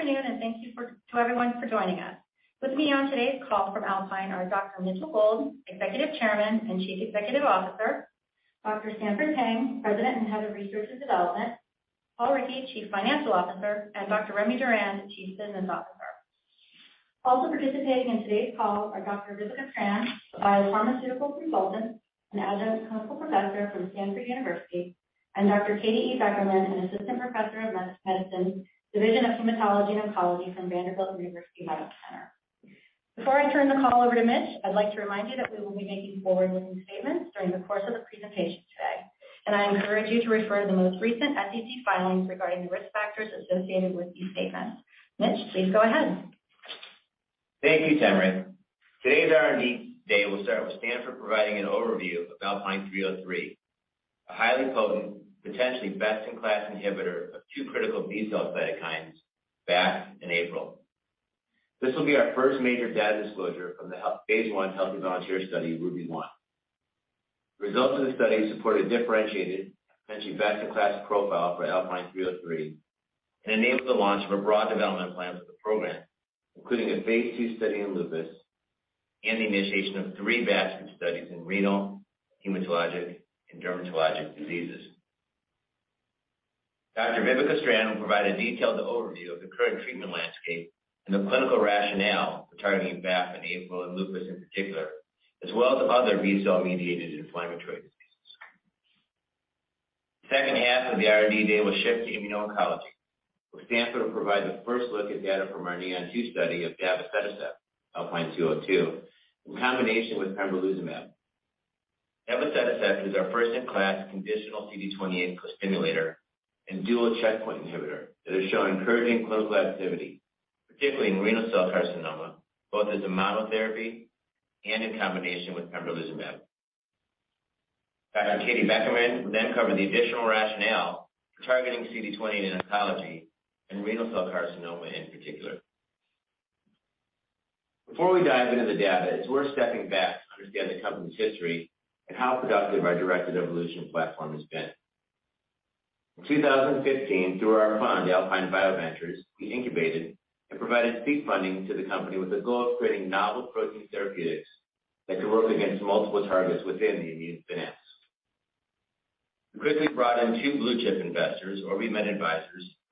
Good afternoon, and thank you for joining us. With me on today's call from Alpine are Dr. Mitchell Gold, Executive Chairman and Chief Executive Officer, Dr. Stanford Peng Peng, President and Head of Research and Development, Paul Rickey, Chief Financial Officer, and Dr. Remy Durand, Chief Business Officer. Also participating in today's call are Dr. Vibeke Strand, a pharmaceutical consultant and adjunct clinical professor from Stanford PengUniversity, and Dr. Kathryn E. Beckermann Thank you, Tamara. Today's R&D day will start with Stanford Peng providing an overview of ALPN-303, a highly potent, potentially best-in-class inhibitor of two critical B-cell cytokines, BAFF and APRIL. This will be our first major data disclosure from the phase 1 healthy volunteer study, RUBY-1. Results of the study support a differentiated, potentially best-in-class profile for ALPN-303 and enable the launch of a broad development plan for the program, including a phase 2 study in lupus and the initiation of three basket studies in renal, hematologic, and dermatologic diseases. Dr. Vibeke Strand will provide a detailed overview of the current treatment landscape and the clinical rationale for targeting BAFF and APRIL in lupus in particular, as well as other B-cell-mediated inflammatory diseases. Second half of the R&D day will shift to immuno-oncology, where Stanford Peng will provide the first look at data from our NEON-2 study of davoceticept, ALPN-202, in combination with pembrolizumab. Davoceticept is our first-in-class conditional CD28 costimulator and dual checkpoint inhibitor that has shown encouraging clinical activity, particularly in renal cell carcinoma, both as a monotherapy and in combination with pembrolizumab. Dr. Kathryn E. Beckermann will then cover the additional rationale for targeting CD28 in oncology and renal cell carcinoma in particular. Before we dive into the data, it's worth stepping back to understand the company's history and how productive our directed evolution platform has been. In 2015, through our fund, the Alpine BioVentures, we incubated and provided seed funding to the company with the goal of creating novel protein therapeutics that could work against multiple targets within the immune synapse. We quickly brought in two blue chip investors, OrbiMed,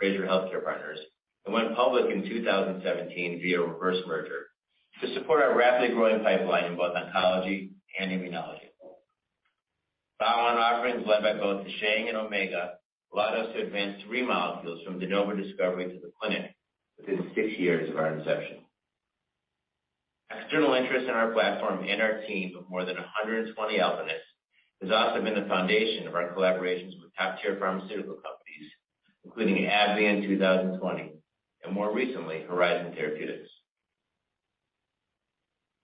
Frazier Healthcare Partners, and went public in 2017 via reverse merger to support our rapidly growing pipeline in both oncology and immunology. Follow-on offerings led by both Cowen and Omega allowed us to advance three molecules from de novo discovery to the clinic within six years of our inception. External interest in our platform and our team of more than 120 Alpinists has also been the foundation of our collaborations with top-tier pharmaceutical companies, including AbbVie in 2020, and more recently, Horizon Therapeutics.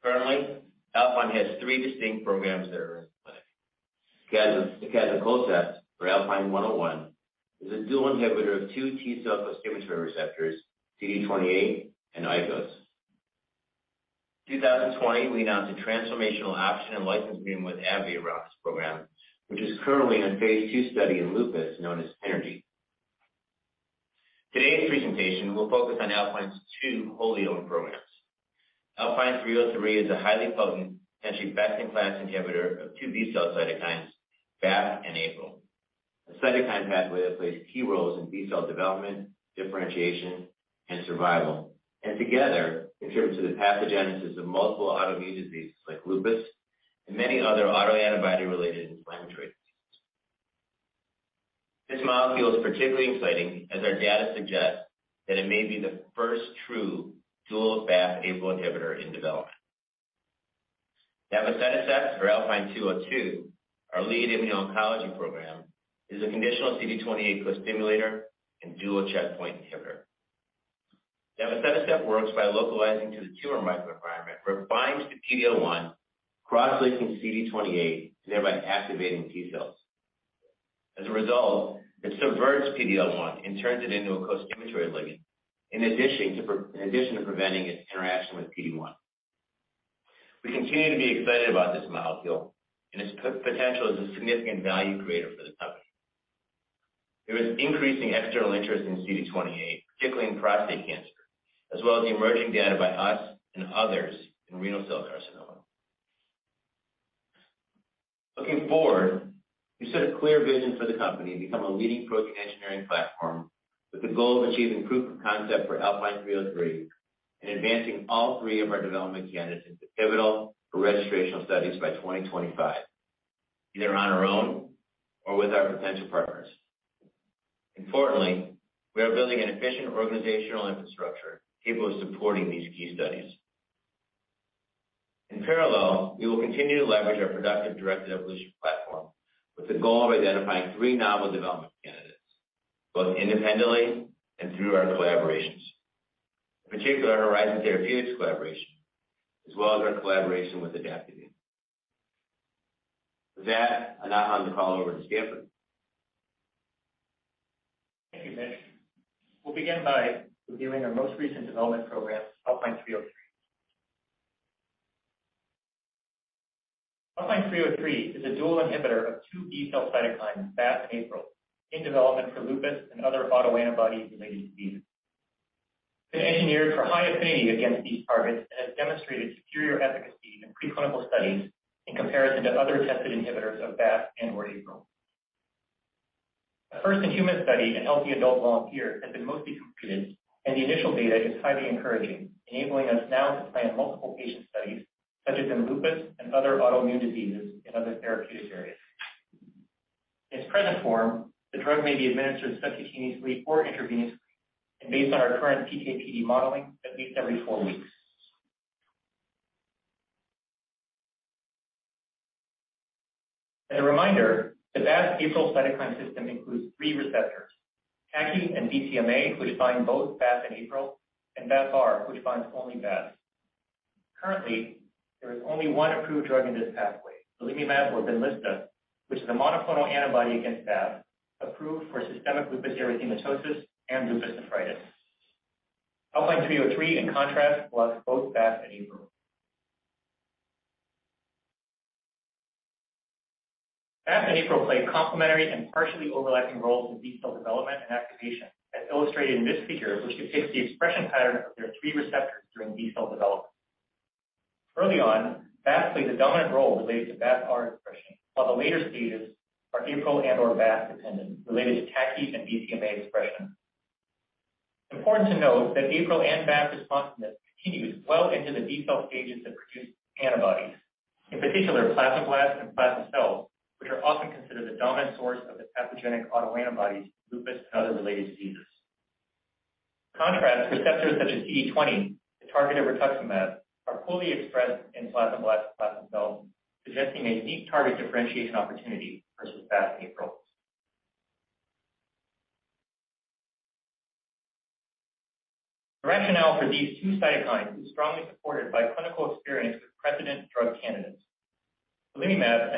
Currently, Alpine has three distinct programs that are in the clinic. acazicolceptan, or ALPN-101, is a dual inhibitor of two T-cell costimulatory receptors, CD28 and ICOS. In 2020, we announced a transformational option and license agreement with AbbVie around this program, which is currently in a phase 2 study in lupus, known as Synergy. Today's presentation will focus on Alpine's two wholly-owned programs. ALPN-303 is a highly potent, potentially best-in-class inhibitor of two B-cell cytokines, BAFF and APRIL, a cytokine pathway that plays key roles in B-cell development, differentiation, and survival. Together contributes to the pathogenesis of multiple autoimmune diseases like lupus and many other autoantibody related inflammatory diseases. This molecule is particularly exciting as our data suggests that it may be the first true dual BAFF-APRIL inhibitor in development. Davoceticept or ALPN-202, our lead immuno-oncology program, is a conditional CD28 costimulator and dual checkpoint inhibitor. Davoceticept works by localizing to the tumor microenvironment, where it binds to PD-L1, cross-linking CD28 to thereby activating T-cells. As a result, it subverts PD-L1 and turns it into a costimulatory ligand in addition to preventing its interaction with PD-1. We continue to be excited about this molecule and its potential as a significant value creator for the company. There is increasing external interest in CD28, particularly in prostate cancer, as well as the emerging data by us and others in renal cell carcinoma. Looking forward, we set a clear vision for the company to become a leading protein engineering platform with the goal of achieving proof of concept for Alpine 303 and advancing all three of our development candidates into pivotal or registrational studies by 2025, either on our own or with our potential partners. Importantly, we are building an efficient organizational infrastructure capable of supporting these key studies. In parallel, we will continue to leverage our productive directed evolution platform with the goal of identifying three novel development candidates, both independently and through our collaborations, in particular our Horizon Therapeutics collaboration as well as our collaboration with Adaptimmune. With that, I now hand the call over to Stanford. Thank you, Mitch. We'll begin by reviewing our most recent development program, ALPN-303. ALPN-303 is a dual inhibitor of two B cell cytokines, BAFF and APRIL, in development for lupus and other autoantibody-related diseases. It's been engineered for high affinity against these targets and has demonstrated superior efficacy in preclinical studies in comparison to other tested inhibitors of BAFF and/or APRIL. The first-in-human study in healthy adult volunteers has been mostly completed, and the initial data is highly encouraging, enabling us now to plan multiple patient studies such as in lupus and other autoimmune diseases in other therapeutic areas. In its present form, the drug may be administered subcutaneously or intravenously, and based on our current PKPD modeling, at least every four weeks. As a reminder, the BAFF/APRIL cytokine system includes three receptors, TACI and BCMA, which bind both BAFF and APRIL, and BAFF-R, which binds only BAFF.Currently, there is only one approved drug in this pathway, belimumab or Benlysta, which is a monoclonal antibody against BAFF, approved for systemic lupus erythematosus and lupus nephritis. Alpine 303, in contrast, blocks both BAFF and APRIL. BAFF and APRIL play complementary and partially overlapping roles in B cell development and activation, as illustrated in this figure, which depicts the expression pattern of their three receptors during B cell development. Early on, BAFF plays a dominant role related to BAFF-R expression, while the later stages are APRIL and/or BAFF dependent, related to TACI and BCMA expression. Important to note that APRIL and BAFF responsiveness continues well into the B cell stages that produce antibodies, in particular, plasmablastsIn contrast, receptors such as CD20, the target of rituximab, are fully expressed in plasmablasts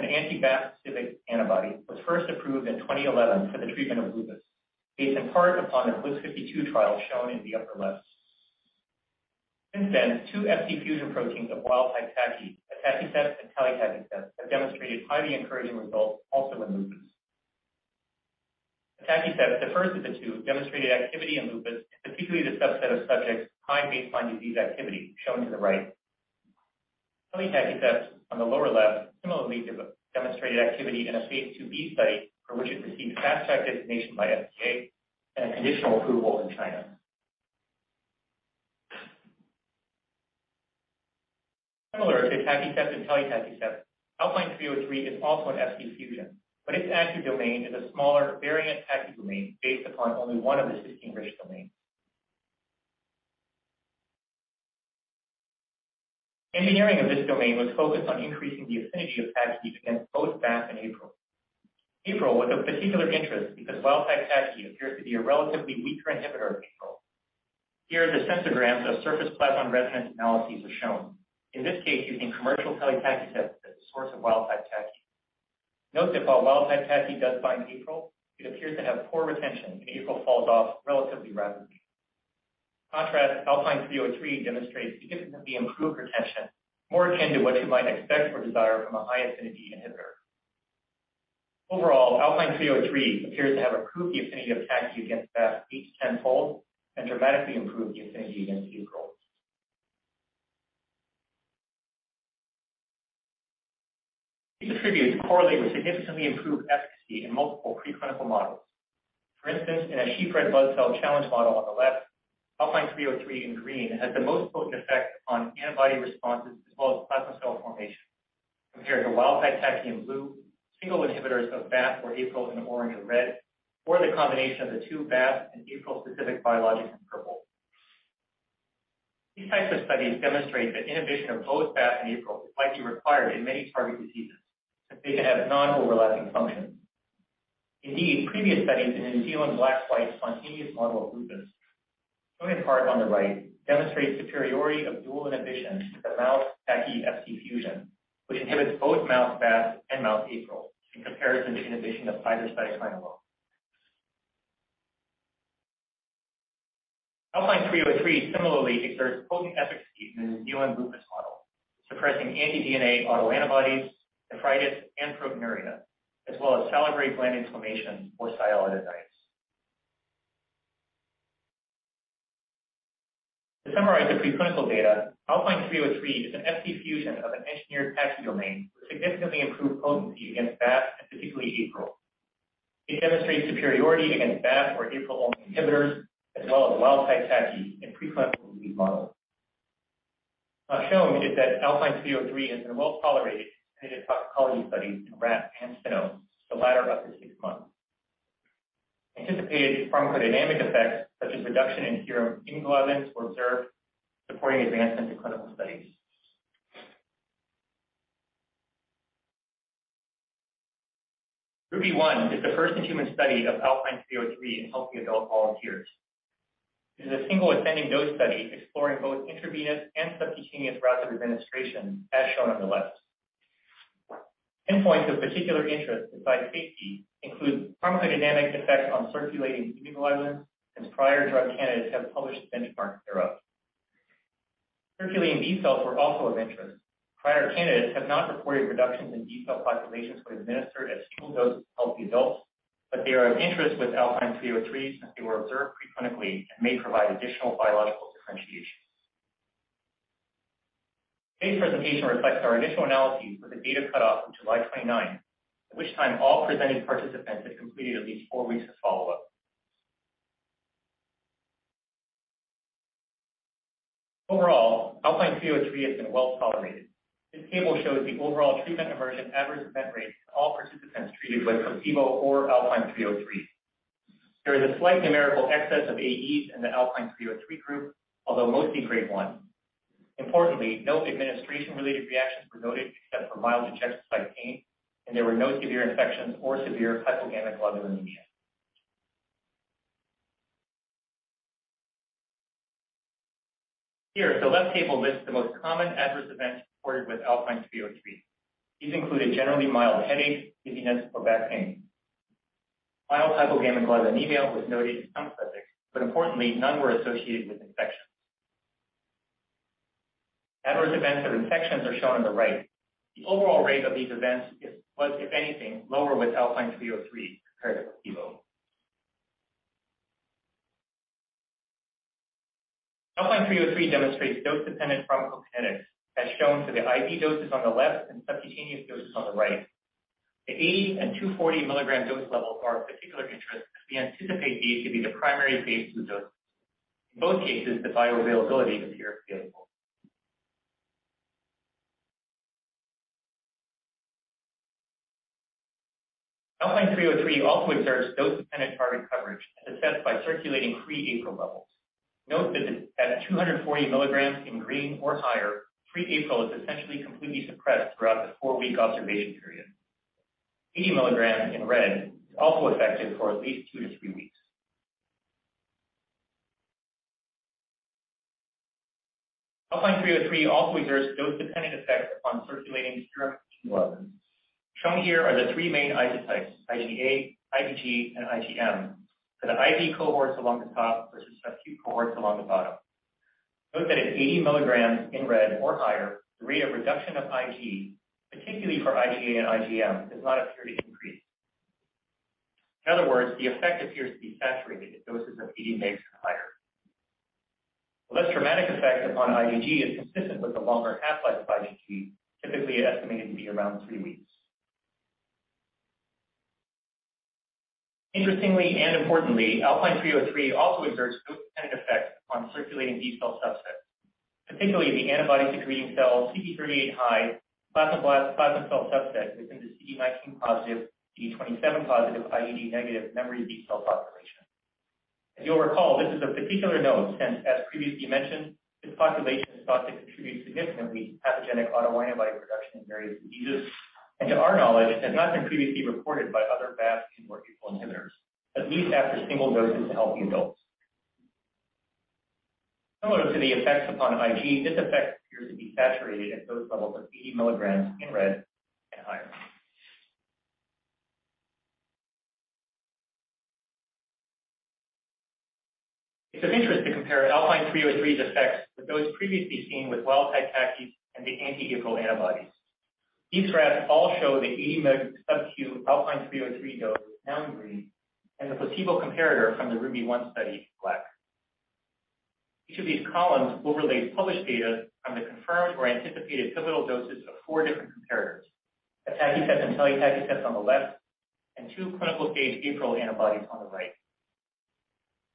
Similar to atacicept and telitacicept, Alpine three zero three is also an Fc fusion, but its TACI domain is a smaller variant TACI domain based upon only one of the six cysteine domains. Engineering of this domain was focused on increasing the affinity of TACI against both BAFF and APRIL. APRIL was of particular interest because wild-type TACI appears to be a relatively weaker inhibitor of APRIL. Here, the sensorgrams of surface plasmon resonance analyses are shown. In this case, using commercial telitacicept as a source of wild-type TACI. Note that while wild-type TACI does bind APRIL, it appears to have poor retention, and APRIL falls off relatively rapidly. In contrast, Alpine three zero three demonstrates significantly improved retention, more akin to what you might expect or desire from a high-affinity inhibitor. Overall, ALPN-303 appears to have improved the affinity of TACI against BAFF, each tenfold and dramatically improved the affinity against APRIL. These attributes correlate with significantly improved efficacy in multiple preclinical models. For instance, in a sheep red blood cell challenge model on the left, ALPN-303 in green has the most potent effect on antibody responses as well as plasma cell formation compared to wild-type TACI in blue, single inhibitors of BAFF or APRIL in orange and red, or the combination of the two BAFF and APRIL-specific biologics in purple. These types of studies demonstrate that inhibition of both BAFF and APRIL might be required in many target diseases since they can have non-overlapping functions. Indeed, previous studies in a New Zealand black-white spontaneous model of lupus, shown in part on the right, demonstrate superiority of dual inhibition to the mouse TACI Fc fusion, which inhibits both mouse BAFF and mouse APRIL, in comparison to inhibition of either cytokine alone. ALPN-303 similarly exerts potent efficacy in the New Zealand lupus model, suppressing anti-DNA autoantibodies, nephritis, and proteinuria, as well as salivary gland inflammation or sialadenitis. To summarize the preclinical data, ALPN-303 is an Fc fusion of an engineered TACI domain with significantly improved potency against BAFF and particularly APRIL. It demonstrates superiority against BAFF or APRIL-only inhibitors as well as wild-type TACI in preclinical disease models. Not shown is that ALPN-303 has been well-tolerated in repeated toxicology studies in rats and cynos, the latter up to six months. Anticipated pharmacodynamic effects such as reduction in serum immunoglobulins were observed, supporting advancement to clinical studies. RUBY-1 is the first-in-human study of ALPN-303 in healthy adult volunteers. It is a single ascending dose study exploring both intravenous and subcutaneous routes of administration, as shown on the left. Endpoints of particular interest besides safety include pharmacodynamic effects on circulating immunoglobulins, since prior drug candidates have published benchmarks thereof. Circulating B cells were also of interest. Prior candidates have not reported reductions in B cell populations when administered at single doses to healthy adults, but they are of interest with ALPN-303 since they were observed preclinically and may provide additional biological differentiation. Today's presentation reflects our initial analyses with a data cutoff of July twenty-ninth, at which time all presenting participants had completed at least four weeks of follow-up. Overall, ALPN-303 has been well tolerated. This table shows the overall treatment emergent adverse event rates for all participants treated with placebo or ALPN-303. There is a slight numerical excess of AEs in the ALPN-303 group, although mostly grade one. Importantly, no administration-related reactions were noted except for mild injection site pain, and there were no severe infections or severe hypogammaglobulinemia. Here, the left table lists the most common adverse events reported with ALPN-303. These included generally mild headache, dizziness, or back pain. Mild hypogammaglobulinemia was noted in some subjects, but importantly, none were associated with infections. Adverse events of infections are shown on the right. The overall rate of these events was, if anything, lower with ALPN-303 compared to placebo. ALPN-303 demonstrates dose-dependent pharmacokinetics as shown for the IV doses on the left and subcutaneous doses on the right. The 80- and 240-mg dose levels are of particular interest as we anticipate these to be the primary phase 2 doses. In both cases, the bioavailability appears scalable. ALPN-303 also exerts dose-dependent target coverage as assessed by circulating free APRIL levels. Note that at 240 mg in green or higher, free APRIL is essentially completely suppressed throughout the four week observation period. 80 mg in red is also effective for at leasttwo to three weeks. ALPN-303 also exerts dose-dependent effects upon circulating serum Ig levels. Shown here are the three main isotypes, IgA, IgG, and IgM, for the IV cohorts along the top versus subcutaneous cohorts along the bottom. Note that at 80 milligrams or higher, the rate of reduction of Ig, particularly for IgA and IgM, does not appear to increase. In other words, the effect appears to be saturated at doses of 80 mg or higher. The less dramatic effect upon IgG is consistent with the longer half-life of IgG, typically estimated to be around three weeks. Interestingly and importantly, Alpine 303 also exerts dose-dependent effects on circulating B cell subsets, particularly the antibody-secreting cell CD38 high plasma cell subset within the CD19 positive, CD27 positive, IgD negative memory B cell population. As you'll recall, this is of particular note since, as previously mentioned, this population is thought to contribute significantly to pathogenic autoantibody production in various diseases, and to our knowledge, has not been previously reported by other BAFF and APRIL inhibitors, at least after single doses to healthy adults. Similar to the effects upon Ig, this effect appears to be saturated at dose levels of 80 milligrams IV and higher. It's of interest to compare Alpine 303's effects with those previously seen with wild-type TACI and the anti-APRIL antibodies. These graphs all show the 80 mg subcu Alpine 303 dose now in green and the placebo comparator from the RUBY-1 study in black. Each of these columns overlays published data on the confirmed or anticipated pivotal doses of four different comparators, Atacicept and Telitacicept on the left and two clinical-phase APRIL antibodies on the right.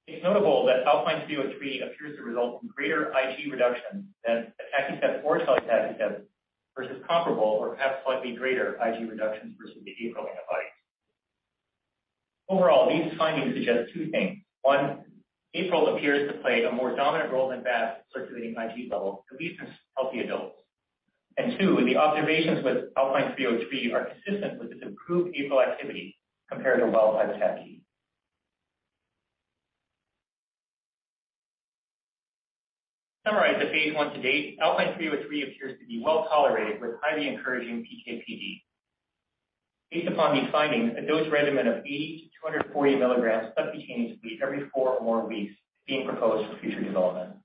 It's notable that Alpine 303 appears to result in greater Ig reductions than Atacicept or Telitacicept versus comparable or perhaps slightly greater Ig reductions versus the APRIL antibodies. Overall, these findings suggest two things. One, APRIL appears to play a more dominant role than BAFF in circulating Ig levels, at least in healthy adults. Two, the observations with Alpine 303 are consistent with its improved APRIL activity compared to wild-type TACI. To summarize the phase 1 to date, Alpine 303 appears to be well tolerated with highly encouraging PK/PD. Based upon these findings, a dose regimen of 80-240 milligrams subcutaneously every four or more weeks is being proposed for future development.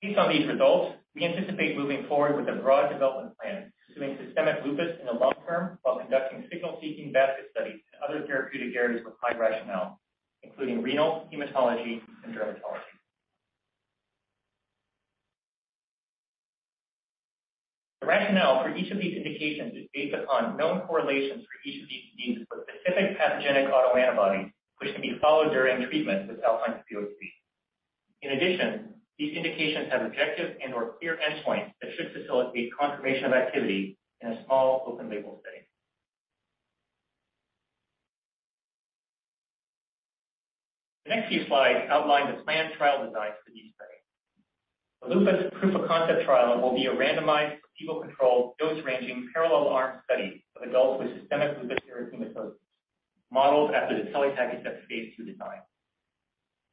Based on these results, we anticipate moving forward with a broad development plan pursuing systemic lupus in the long term while conducting signal-seeking basket studies in other therapeutic areas with high rationale, including renal, hematology, and dermatology. The rationale for each of these indications is based upon known correlations for each of these diseases with specific pathogenic autoantibodies which can be followed during treatment with Alpine 303. In addition, these indications have objective and/or clear endpoints that should facilitate confirmation of activity in a small open-label study. The next few slides outline the planned trial designs for these studies. The lupus proof of concept trial will be a randomized, placebo-controlled, dose-ranging, parallel-arm study of adults with systemic lupus erythematosus, modeled after the telitacicept phase 2 design.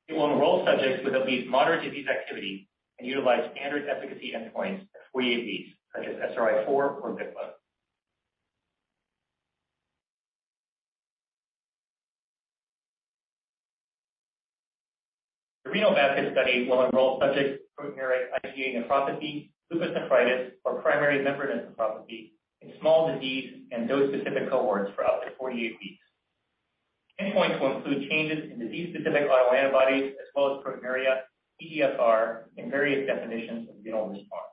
It will enroll subjects with at least moderate disease activity and utilize standard efficacy endpoints of 48 weeks, such as SRI-4 or BICLA. The renal basket study will enroll subjects with proteinuria, IgA nephropathy, lupus nephritis, or primary membranous nephropathy in small disease and dose-specific cohorts for up to 48 weeks. Endpoints will include changes in disease-specific autoantibodies as well as proteinuria, eGFR, and various definitions of renal response.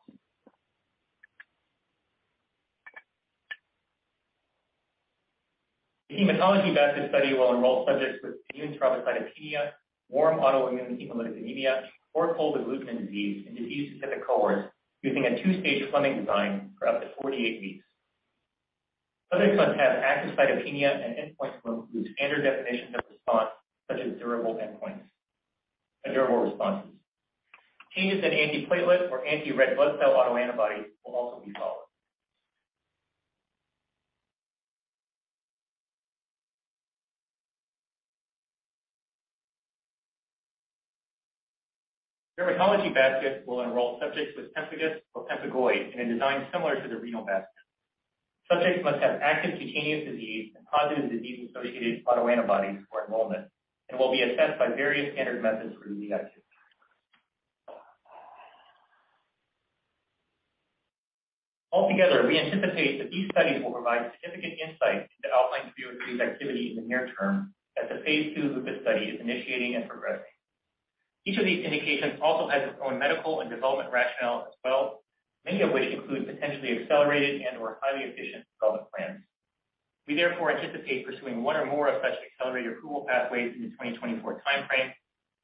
The hematology basket study will enroll subjects with immune thrombocytopenia, warm autoimmune hemolytic anemia, or cold agglutinin disease in disease-specific cohorts using a two-stage Fleming design for up to 48 weeks. Subjects must have active cytopenia, and endpoints will include standard definitions of response, such as durable endpoints and durable responses. Changes in antiplatelet or anti-red blood cell autoantibodies will also be followed. Dermatology basket will enroll subjects with pemphigus or pemphigoid in a design similar to the renal basket. Subjects must have active cutaneous disease and positive disease-associated autoantibodies for enrollment and will be assessed by various standard methods for disease activity. Altogether, we anticipate that these studies will provide significant insight into the ALPN-303's activity in the near term as the phase 2 lupus study is initiating and progressing. Each of these indications also has its own medical and development rationale as well, many of which include potentially accelerated and/or highly efficient development plans. We therefore anticipate pursuing one or more of such accelerated approval pathways in the 2024 timeframe,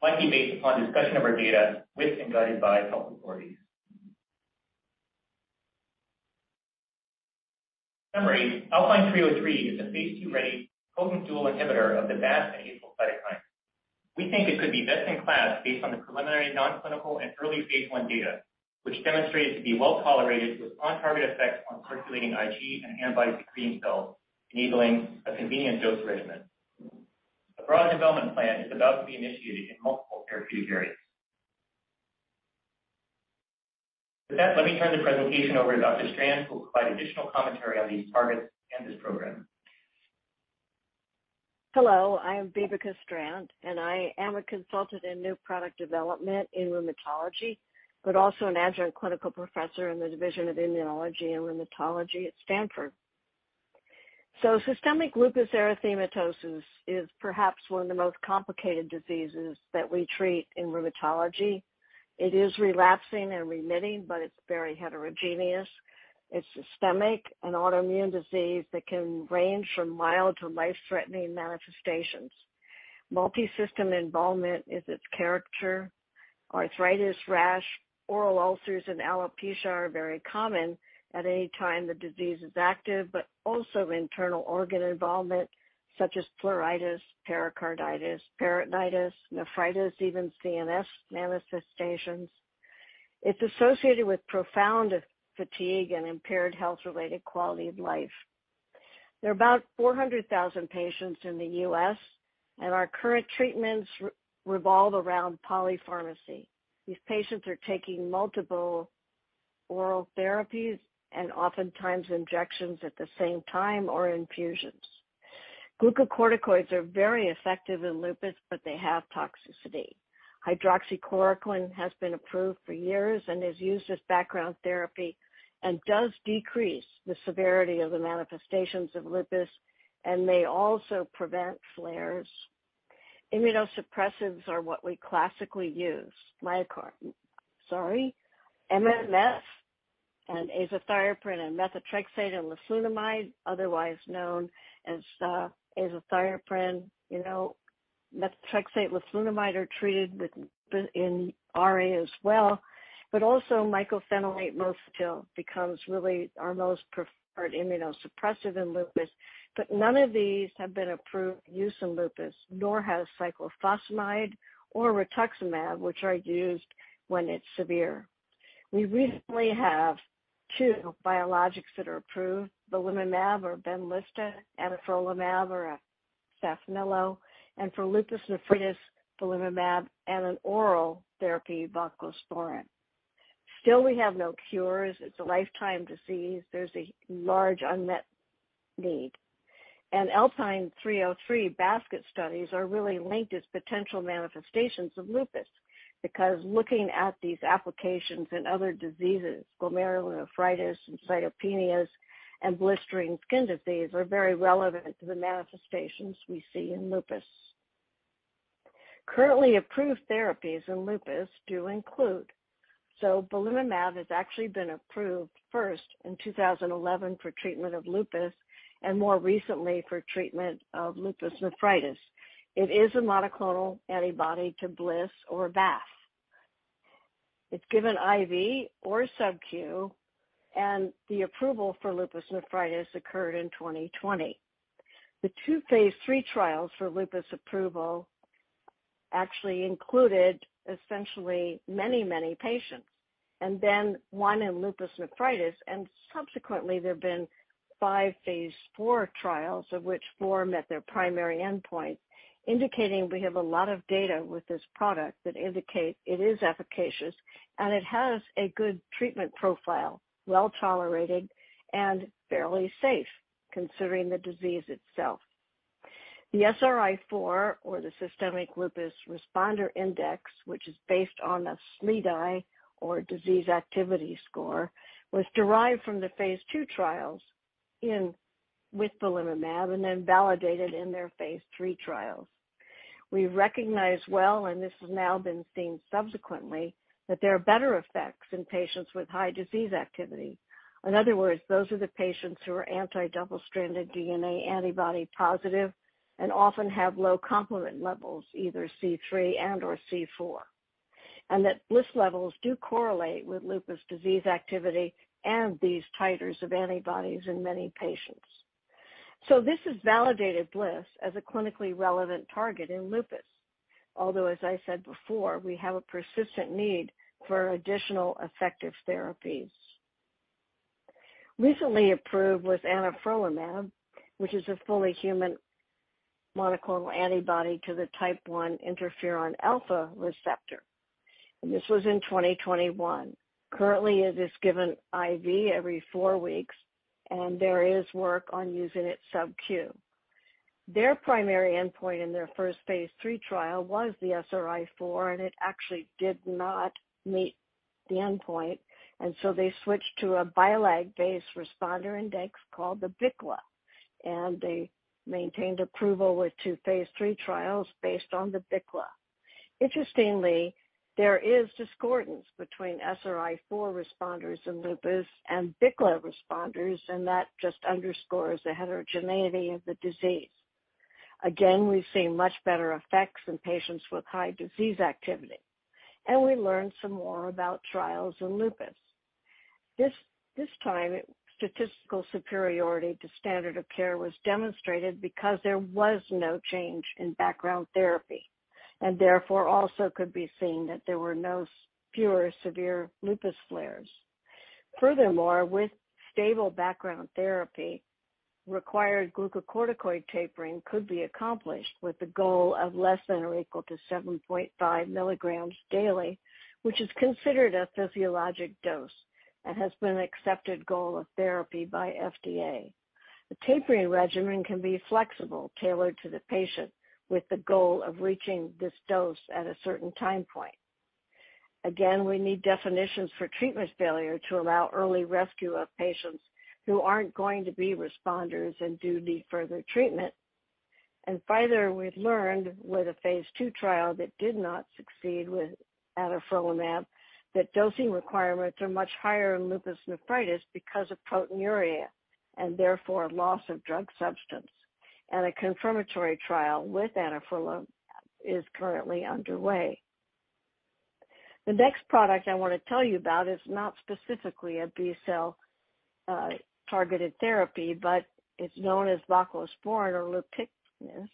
likely based upon discussion of our data with, and guided by, health authorities. In summary, ALPN-303 is a phase 2-ready potent dual inhibitor of the BAFF and APRIL cytokines. We think it could be best-in-class based on the preliminary preclinical and early phase 1 data, which demonstrates to be well tolerated with on-target effects on circulating Ig and antibody-secreting cells, enabling a convenient dose regimen. A broad development plan is about to be initiated in multiple therapeutic areas. With that, let me turn the presentation over to Dr. Vibeke Strand, who will provide additional commentary on these targets and this program. Hello, I am Vibeke Strand, and I am a consultant in new product development in rheumatology, but also an adjunct clinical professor in the Division of Immunology and Rheumatology at Stanford. Systemic lupus erythematosus is perhaps one of the most complicated diseases that we treat in rheumatology. It is relapsing and remitting, but it's very heterogeneous. It's systemic, an autoimmune disease that can range from mild to life-threatening manifestations. Multisystem involvement is its character. Arthritis, rash, oral ulcers, and alopecia are very common at any time the disease is active, but also internal organ involvement such as pleuritis, pericarditis, peritonitis, nephritis, even CNS manifestations. It's associated with profound fatigue and impaired health-related quality of life. There are about 400,000 patients in the U.S., and our current treatments revolve around polypharmacy. These patients are taking multiple oral therapies and oftentimes injections at the same time or infusions. Glucocorticoids are very effective in lupus, but they have toxicity. Hydroxychloroquine has been approved for years and is used as background therapy and does decrease the severity of the manifestations of lupus and may also prevent flares. Immunosuppressants are what we classically use. mycophenolate mofetil and azathioprine and methotrexate and leflunomide are used in RA as well..Also mycophenolate mofetil becomes really our most preferred immunosuppressive in lupus. None of these have been approved use in lupus, nor has cyclophosphamide or rituximab, which are used when it's severe. We recently have two biologics that are approved, belimumab or Benlysta, anifrolumab or Saphnelo ALPN-303 basket studies are really linked as potential manifestations of lupus because looking at these applications in other diseases, glomerulonephritis and cytopenias and blistering skin disease are very relevant to the manifestations we see in lupus. Currently approved therapies in lupus do include. Belimumab has actually been approved first in 2011 for treatment of lupus and more recently for treatment of lupus nephritis. It is a monoclonal antibody to BLyS or BAFF. It's given IV or subQ, and the approval for lupus nephritis occurred in 2020. The two phase 3 trials for lupus approval actually included essentially many patients. One in lupus nephritis, and subsequently there have been five phase 4 trials of which four met their primary endpoint, indicating we have a lot of data with this product that indicate it is efficacious and it has a good treatment profile, well-tolerated and fairly safe considering the disease itself. The SRI-4 or the systemic lupus responder index, which is based on the SLEDAI or disease activity score, was derived from the phase 2 trials in with belimumab and then validated in their phase 3 trials. We recognize well, and this has now been seen subsequently, that there are better effects in patients with high disease activity. In other words, those are the patients who are anti-double stranded DNA antibody positive and often have low complement levels, either C3 and/or C4, and that BLyS levels do correlate with lupus disease activity and these titers of antibodies in many patients. This has validated BLyS as a clinically relevant target in lupus. Although, as I said before, we have a persistent need for additional effective therapies. Recently approved was anifrolumab, which is a fully human monoclonal antibody to the type one interferon alpha receptor. This was in 2021. Currently, it is given IV every four weeks, and there is work on using it sub-Q. Their primary endpoint in their first phase 3 trial was the SRI-4, and it actually did not meet the endpoint, and so they switched to a BILAG-based Composite Lupus Assessment called the BICLA, and they maintained approval with two phase 3 trials based on the BICLA. Interestingly, there is discordance between SRI-4 responders in lupus and BICLA responders, and that just underscores the heterogeneity of the disease. Again, we've seen much better effects in patients with high disease activity, and we learned some more about trials in lupus. This time statistical superiority to standard of care was demonstrated because there was no change in background therapy. Therefore also could be seen that there were no fewer severe lupus flares. Furthermore, with stable background therapy, required glucocorticoid tapering could be accomplished with the goal of less than or equal to 7.5 milligrams daily, which is considered a physiologic dose and has been an accepted goal of therapy by FDA. The tapering regimen can be flexible, tailored to the patient with the goal of reaching this dose at a certain time point. Again, we need definitions for treatment failure to allow early rescue of patients who aren't going to be responders and do need further treatment. Further, we've learned with a phase 2 trial that did not succeed with anifrolumab that dosing requirements are much higher in lupus nephritis because of proteinuria and therefore loss of drug substance. A confirmatory trial with anifrolumab is currently underway. The next product I wanna tell you about is not specifically a B-cell targeted therapy, but it's known as voclosporin or Lupkynis,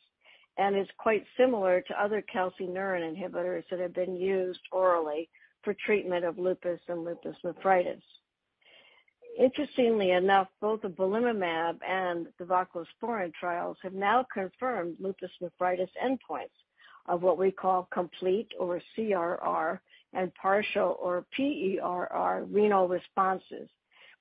and is quite similar to other calcineurin inhibitors that have been used orally for treatment of lupus and lupus nephritis. Interestingly enough, both the belimumab and the voclosporin trials have now confirmed lupus nephritis endpoints of what we call complete or CRR and partial or PRR renal responses,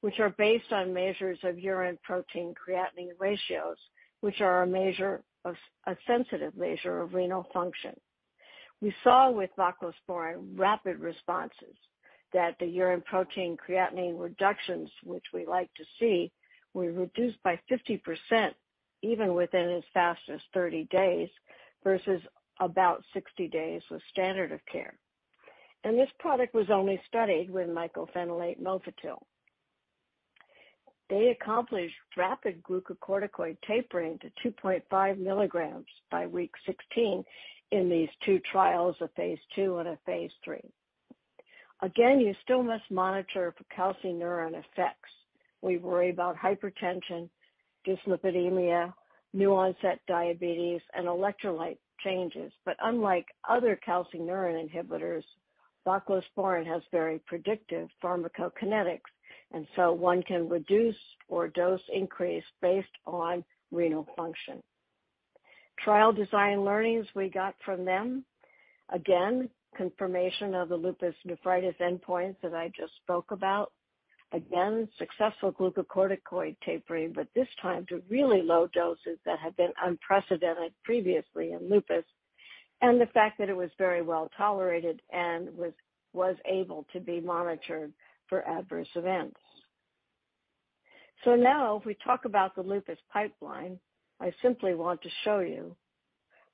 which are based on measures of urine protein creatinine ratios, which are a sensitive measure of renal function. We saw with voclosporin rapid responses that the urine protein creatinine reductions, which we like to see, were reduced by 50% even within as fast as 30 days versus about 60 days with standard of care. This product was only studied with mycophenolate mofetil. They accomplished rapid glucocorticoid tapering to 2.5 milligrams by week 16 in these two trials, a phase 2 and a phase 3. Again, you still must monitor for calcineurin effects. We worry about hypertension, dyslipidemia, new onset diabetes, and electrolyte changes. But unlike other calcineurin inhibitors, voclosporin has very predictive pharmacokinetics, and so one can reduce or dose increase based on renal function. Trial design learnings we got from them. Again, confirmation of the lupus nephritis endpoints that I just spoke about. Again, successful glucocorticoid tapering, but this time to really low doses that had been unprecedented previously in lupus. The fact that it was very well-tolerated and was able to be monitored for adverse events. Now if we talk about the lupus pipeline, I simply want to show you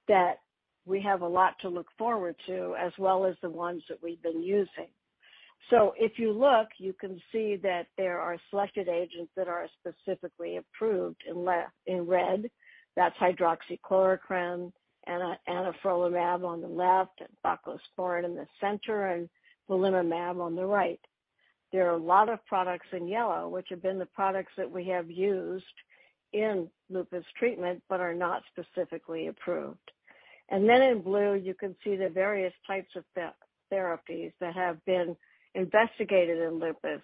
that we have a lot to look forward to as well as the ones that we've been using. If you look, you can see that there are selected agents that are specifically approved in red. That's hydroxychloroquine and anifrolumab on the left and voclosporin in the center and belimumab on the right. There are a lot of products in yellow which have been the products that we have used in lupus treatment but are not specifically approved. In blue, you can see the various types of therapies that have been investigated in lupus,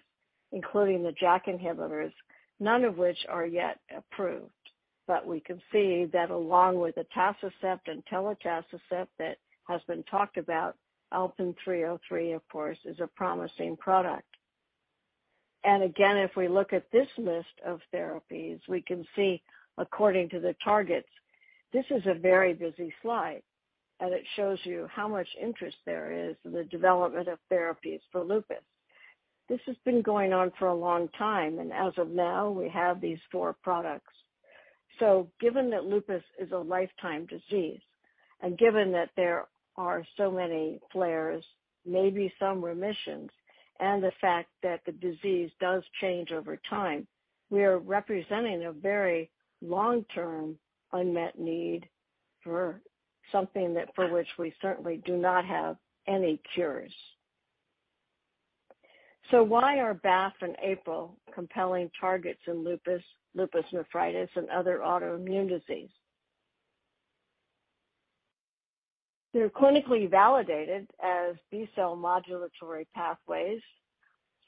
including the JAK inhibitors, none of which are yet approved. We can see that along with atacicept and telitacicept that has been talked about, ALPN-303, of course, is a promising product. Again, if we look at this list of therapies, we can see according to the targets, this is a very busy slide, and it shows you how much interest there is in the development of therapies for lupus. This has been going on for a long time, and as of now, we have these four products. Given that lupus is a lifetime disease, and given that there are so many flares, maybe some remissions, and the fact that the disease does change over time, we are representing a very long-term unmet need for something that for which we certainly do not have any cures. Why are BAFF and APRIL compelling targets in lupus nephritis, and other autoimmune disease? They're clinically validated as B-cell modulatory pathways.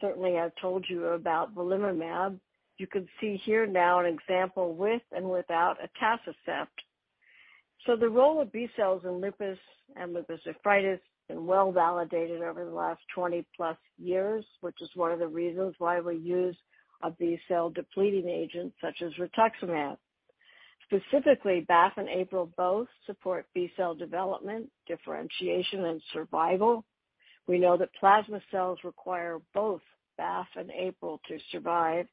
Certainly, I've told you about belimumab. You can see here now an example with and without atacicept. The role of B cells in lupus and lupus nephritis has been well-validated over the last 20-plus years, which is one of the reasons why we use a B-cell depleting agent such as rituximab. Specifically, BAFF and APRIL both support B cell development, differentiation, and survival. We know that plasma cells require both BAFF and APRIL to survive.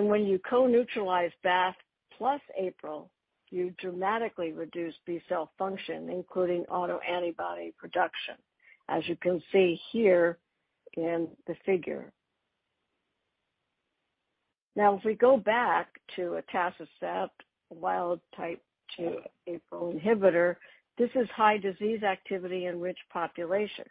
When you co-neutralize BAFF plus APRIL, you dramatically reduce B cell function, including autoantibody production, as you can see here in the figure. Now, if we go back to atacicept, wild-type TACI-Fc dual BAFF/APRIL inhibitorr, this is high disease activity in enriched population.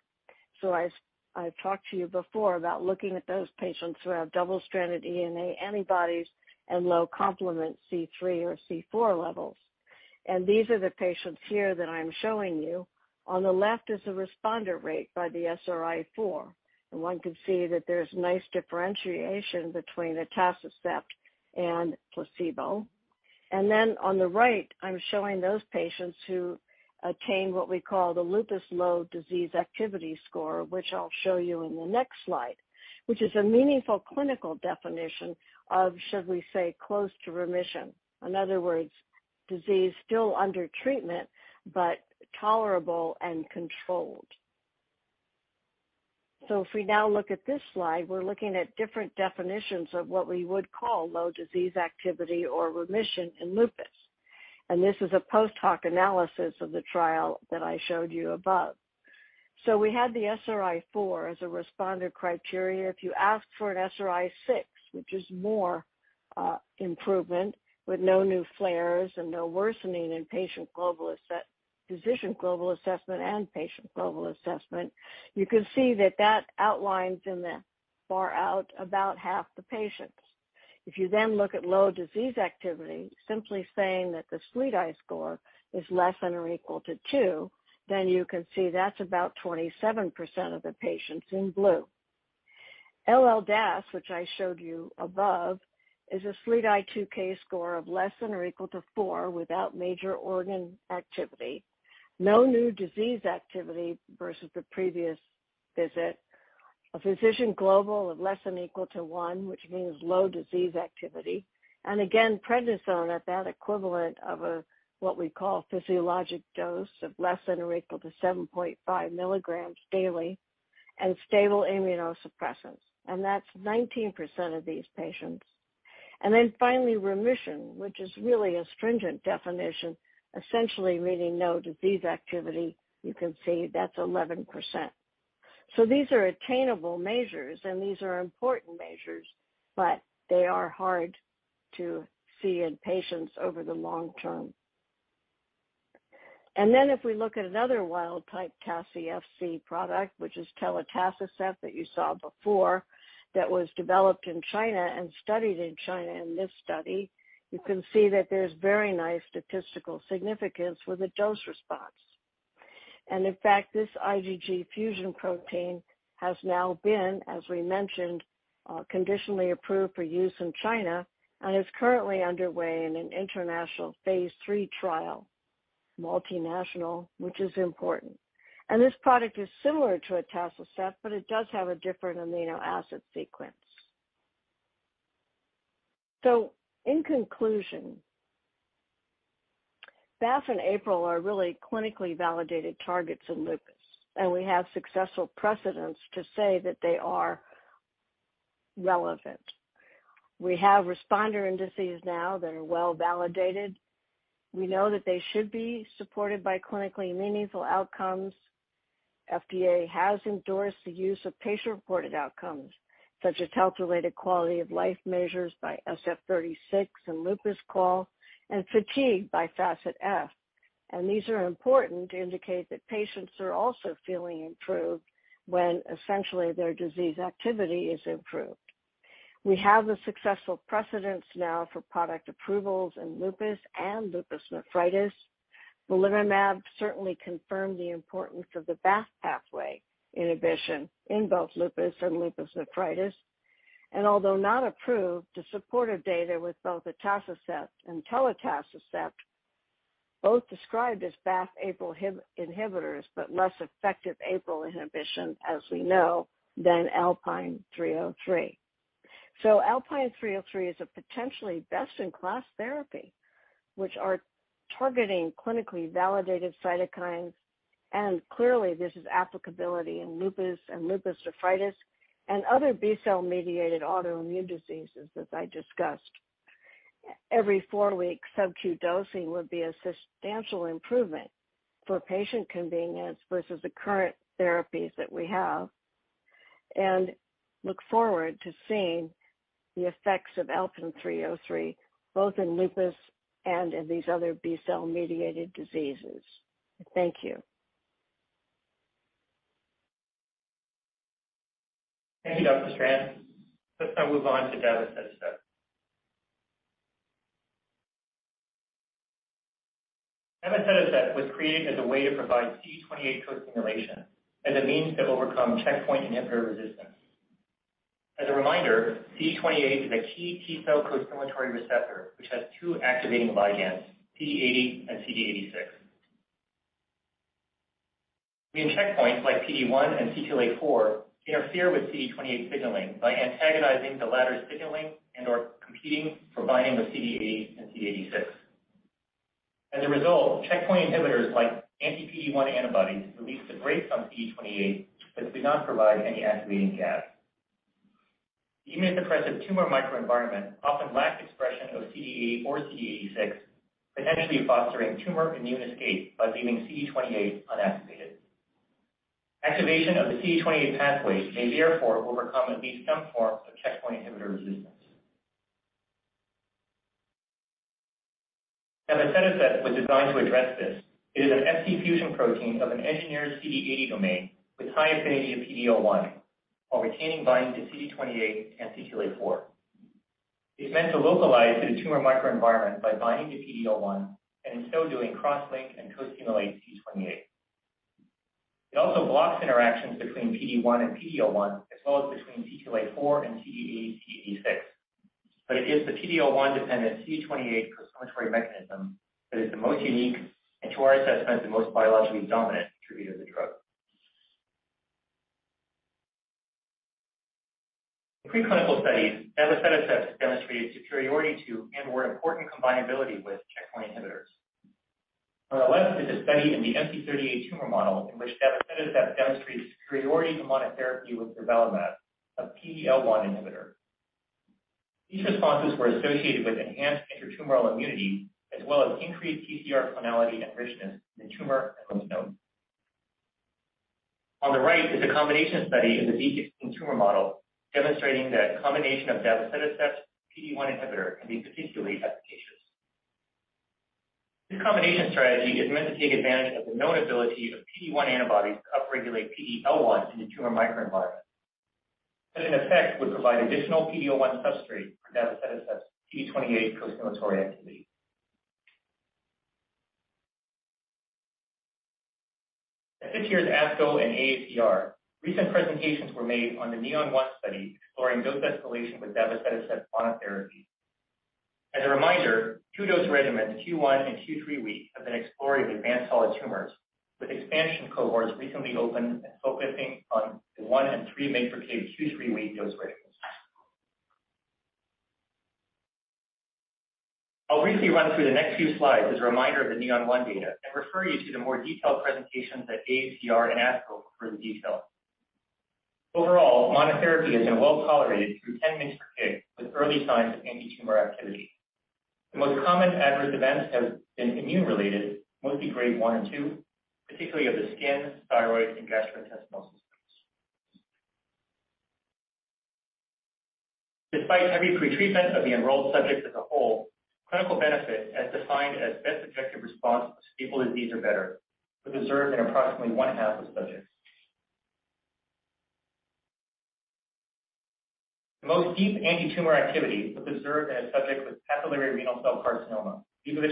I've talked to you before about looking at those patients who have double-stranded DNA antibodies and low complement C3 or C4 levels. These are the patients here that I'm showing you. On the left is the responder rate by the SRI-4. One can see that there's nice differentiation between atacicept and placebo. Then on the right, I'm showing those patients who attain what we call the lupus low disease activity score, which I'll show you in the next slide, which is a meaningful clinical definition of, should we say, close to remission. In other words, disease still under treatment, but tolerable and controlled. If we now look at this slide, we're looking at different definitions of what we would call low disease activity or remission in lupus. This is a post-hoc analysis of the trial that I showed you above. We had the SRI-4 as a responder criteria. If you ask for an SRI-6, which is more improvement with no new flares and no worsening in patient global physician global assessment and patient global assessment, you can see that outlines in the far out about half the patients. If you then look at low disease activity, simply saying that the SLEDAI score is less than or equal to 2, then you can see that's about 27% of the patients in blue. LLDAS, which I showed you above, is a SLEDAI-2K score of less than or equal to 4 without major organ activity. No new disease activity versus the previous visit. A physician global of less than equal to 1, which means low disease activity. Again, prednisone at that equivalent of a what we call physiologic dose of less than or equal to 7.5 milligrams daily and stable immunosuppressants. That's 19% of these patients. Then finally, remission, which is really a stringent definition, essentially meaning no disease activity. You can see that's 11%. These are attainable measures, and these are important measures, but they are hard to see in patients over the long term. Then if we look at another wild-type TACI-Fc product, which is telitacicept that you saw before, that was developed in China and studied in China in this study, you can see that there's very nice statistical significance with a dose response. In fact, this IgG fusion protein has now been, as we mentioned, conditionally approved for use in China and is currently underway in an international phase 3 trial, multinational, which is important. This product is similar to atacicept, but it does have a different amino acid sequence. In conclusion, BAFF and APRIL are really clinically validated targets in lupus, and we have successful precedents to say that they are relevant. We have responder indices now that are well-validated. We know that they should be supported by clinically meaningful outcomes. FDA has endorsed the use of patient-reported outcomes, such as health-related quality of life measures by SF-36 and LupusQoL and fatigue by FACIT-F. These are important to indicate that patients are also feeling improved when essentially their disease activity is improved. We have the successful precedent now for product approvals in lupus and lupus nephritis. Belimumab certainly confirmed the importance of the BAFF pathway inhibition in both lupus and lupus nephritis. Although not approved, the supportive data with both atacicept and telitacicept, both described as BAFF/APRIL inhibitors, but less effective APRIL inhibition, as we know, than Alpine three-oh-three. Alpine 303 is a potentially best-in-class therapy, which are targeting clinically validated cytokines. Clearly, this is applicability in lupus and lupus nephritis and other B-cell mediated autoimmune diseases, as I discussed. Every 4 weeks sub-Q dosing would be a substantial improvement for patient convenience versus the current therapies that we have, and look forward to seeing the effects of Alpine 303, both in lupus and in these other B-cell mediated diseases. Thank you. Thank you, Dr. Vibeke Strand. Let's now move on to davoceticept. Davoceticept was created as a way to provide CD28 co-stimulation as a means to overcome checkpoint inhibitor resistance. As a reminder, CD28 is a key T-cell costimulatory receptor which has two activating ligands, CD80 and CD86. Immune checkpoints like PD-1 and CTLA-4 interfere with CD28 signaling by antagonizing the latter's signaling and/or competing for binding with CD80 and CD86. As a result, checkpoint inhibitors like anti-PD-1 antibodies release the brakes on CD28, but do not provide any activating gas. The immunosuppressive tumor microenvironment often lacks expression of CD80 or CD86, potentially fostering tumor immune escape by leaving CD28 unactivated. Activation of the CD28 pathway may therefore overcome at least some forms of checkpoint inhibitor resistance. Davoceticept was designed to address this. It is an Fc fusion protein of an engineered CD80 domain with high affinity to PD-L1 while retaining binding to CD28 and CTLA-4. It's meant to localize to the tumor microenvironment by binding to PD-L1, and in so doing cross-link and co-stimulate CD28. It also blocks interactions between PD-1 and PD-L1, as well as between CTLA-4 and CD80, CD86. It is the PD-L1-dependent CD28 costimulatory mechanism that is the most unique and, to our assessment, the most biologically dominant contributor to the drug. In preclinical studies, davoceticept demonstrated superiority to and/or important combinability with checkpoint inhibitors. On the left is a study in the MC38 tumor model in which davoceticept demonstrates superiority to monotherapy with durvalumab, a PD-L1 inhibitor. These responses were associated with enhanced intratumoral immunity as well as increased TCR clonality and richness in the tumor and lymph node. On the right is a combination study in the B16 tumor model demonstrating that a combination of davoceticept PD-1 inhibitor can be particularly efficacious. This combination strategy is meant to take advantage of the known ability of PD-1 antibodies to upregulate PD-L1 in the tumor microenvironment. That, in effect, would provide additional PD-L1 substrate for davoceticept CD28 costimulatory activity. At this year's ASCO and AACR, recent presentations were made on the NEON-1 study exploring dose escalation with davoceticept monotherapy. As a reminder, two dose regimens, Q1W and Q3W, have been explored in advanced solid tumors, with expansion cohorts recently opened and focusing on the 1 and 3 mg per kg Q3W dose regimens. I'll briefly run through the next few slides as a reminder of the NEON-1 data and refer you to the more detailed presentations at AACR and ASCO for the details. Overall, monotherapy has been well-tolerated through 10 mg per kg with early signs of antitumor activity. The most common adverse events have been immune-related, mostly grade 1 and 2, particularly of the skin, thyroid, and gastrointestinal systems. Despite heavy pretreatment of the enrolled subjects as a whole, clinical benefit as defined as best objective response, stable disease or better, were observed in approximately one-half of subjects. The most deep antitumor activity was observed in a subject with papillary renal cell carcinoma, uncertain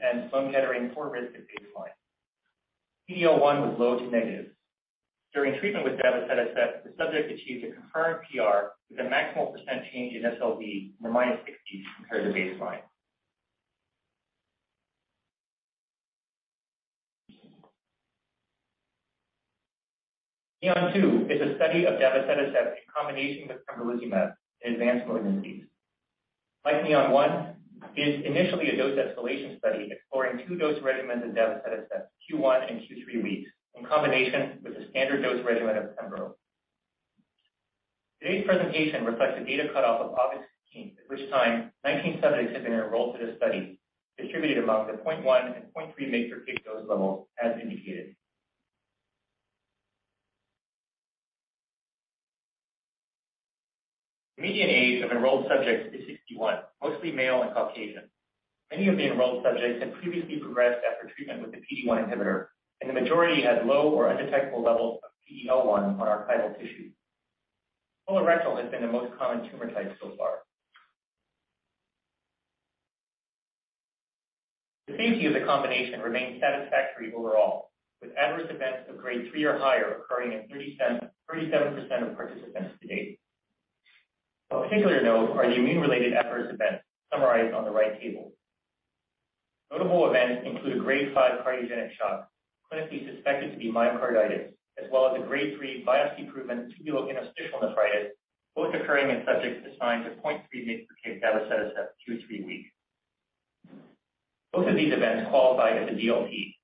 and IMDC poor risk at baseline. PD-L1 was low to negative. During treatment with davoceticept, the subject achieved a concurrent PR with a maximal percent change in SLD of -60% compared to baseline. NEON-2 is a study of davoceticept in combination with pembrolizumab in advanced melanoma disease. Like NEON-1, it is initially a dose escalation study exploring two dose regimens of davoceticept, Q1W and Q3W, in combination with the standard dose regimen ofpembrolizumab. Today's presentation reflects a data cutoff of August 16, at which time 19 subjects have been enrolled to this study, distributed among the 0.1 and 0.3 mg/kg dose levels as indicated. The median age of enrolled subjects is 61, mostly male and Caucasian. Many of the enrolled subjects had previously progressed after treatment with the PD-1 inhibitor, and the majority had low or undetectable levels of PD-L1 on archival tissue. Colorectal has been the most common tumor type so far. The safety of the combination remains satisfactory overall, with adverse events of grade three or higher occurring in 37.37% of participants to date. Of particular note are the immune-related adverse events summarized on the right table. Notable events include a grade 5 cardiogenic shock, clinically suspected to be myocarditis, as well as a grade 3 biopsy-proven tubulointerstitial nephritis, both occurring in subjects assigned to 0.3 mg per kg davoceticept at Q3W. Both of these events qualified as a DLT.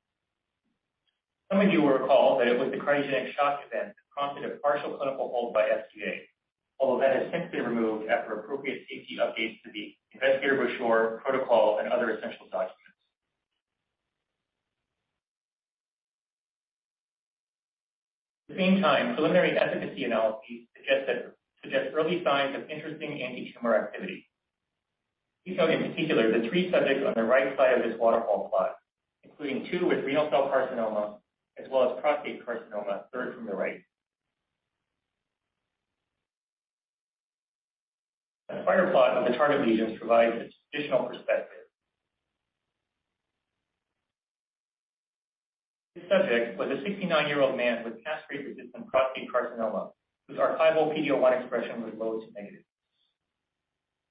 Some of you will recall that it was the cardiogenic shock event that prompted a partial clinical hold by FDA, although that has since been removed after appropriate safety updates to the investigator brochure, protocol, and other essential documents. At the same time, preliminary efficacy analyses suggest early signs of interesting antitumor activity. Please note in particular the 3 subjects on the right side of this waterfall plot, including two with renal cell carcinoma as well as prostate carcinoma, third from the right. A prior plot of the target lesions provides additional perspective. This subject was a 69-year-old man with castrate-resistant prostate carcinoma, whose archival PD-L1 expression was low to negative.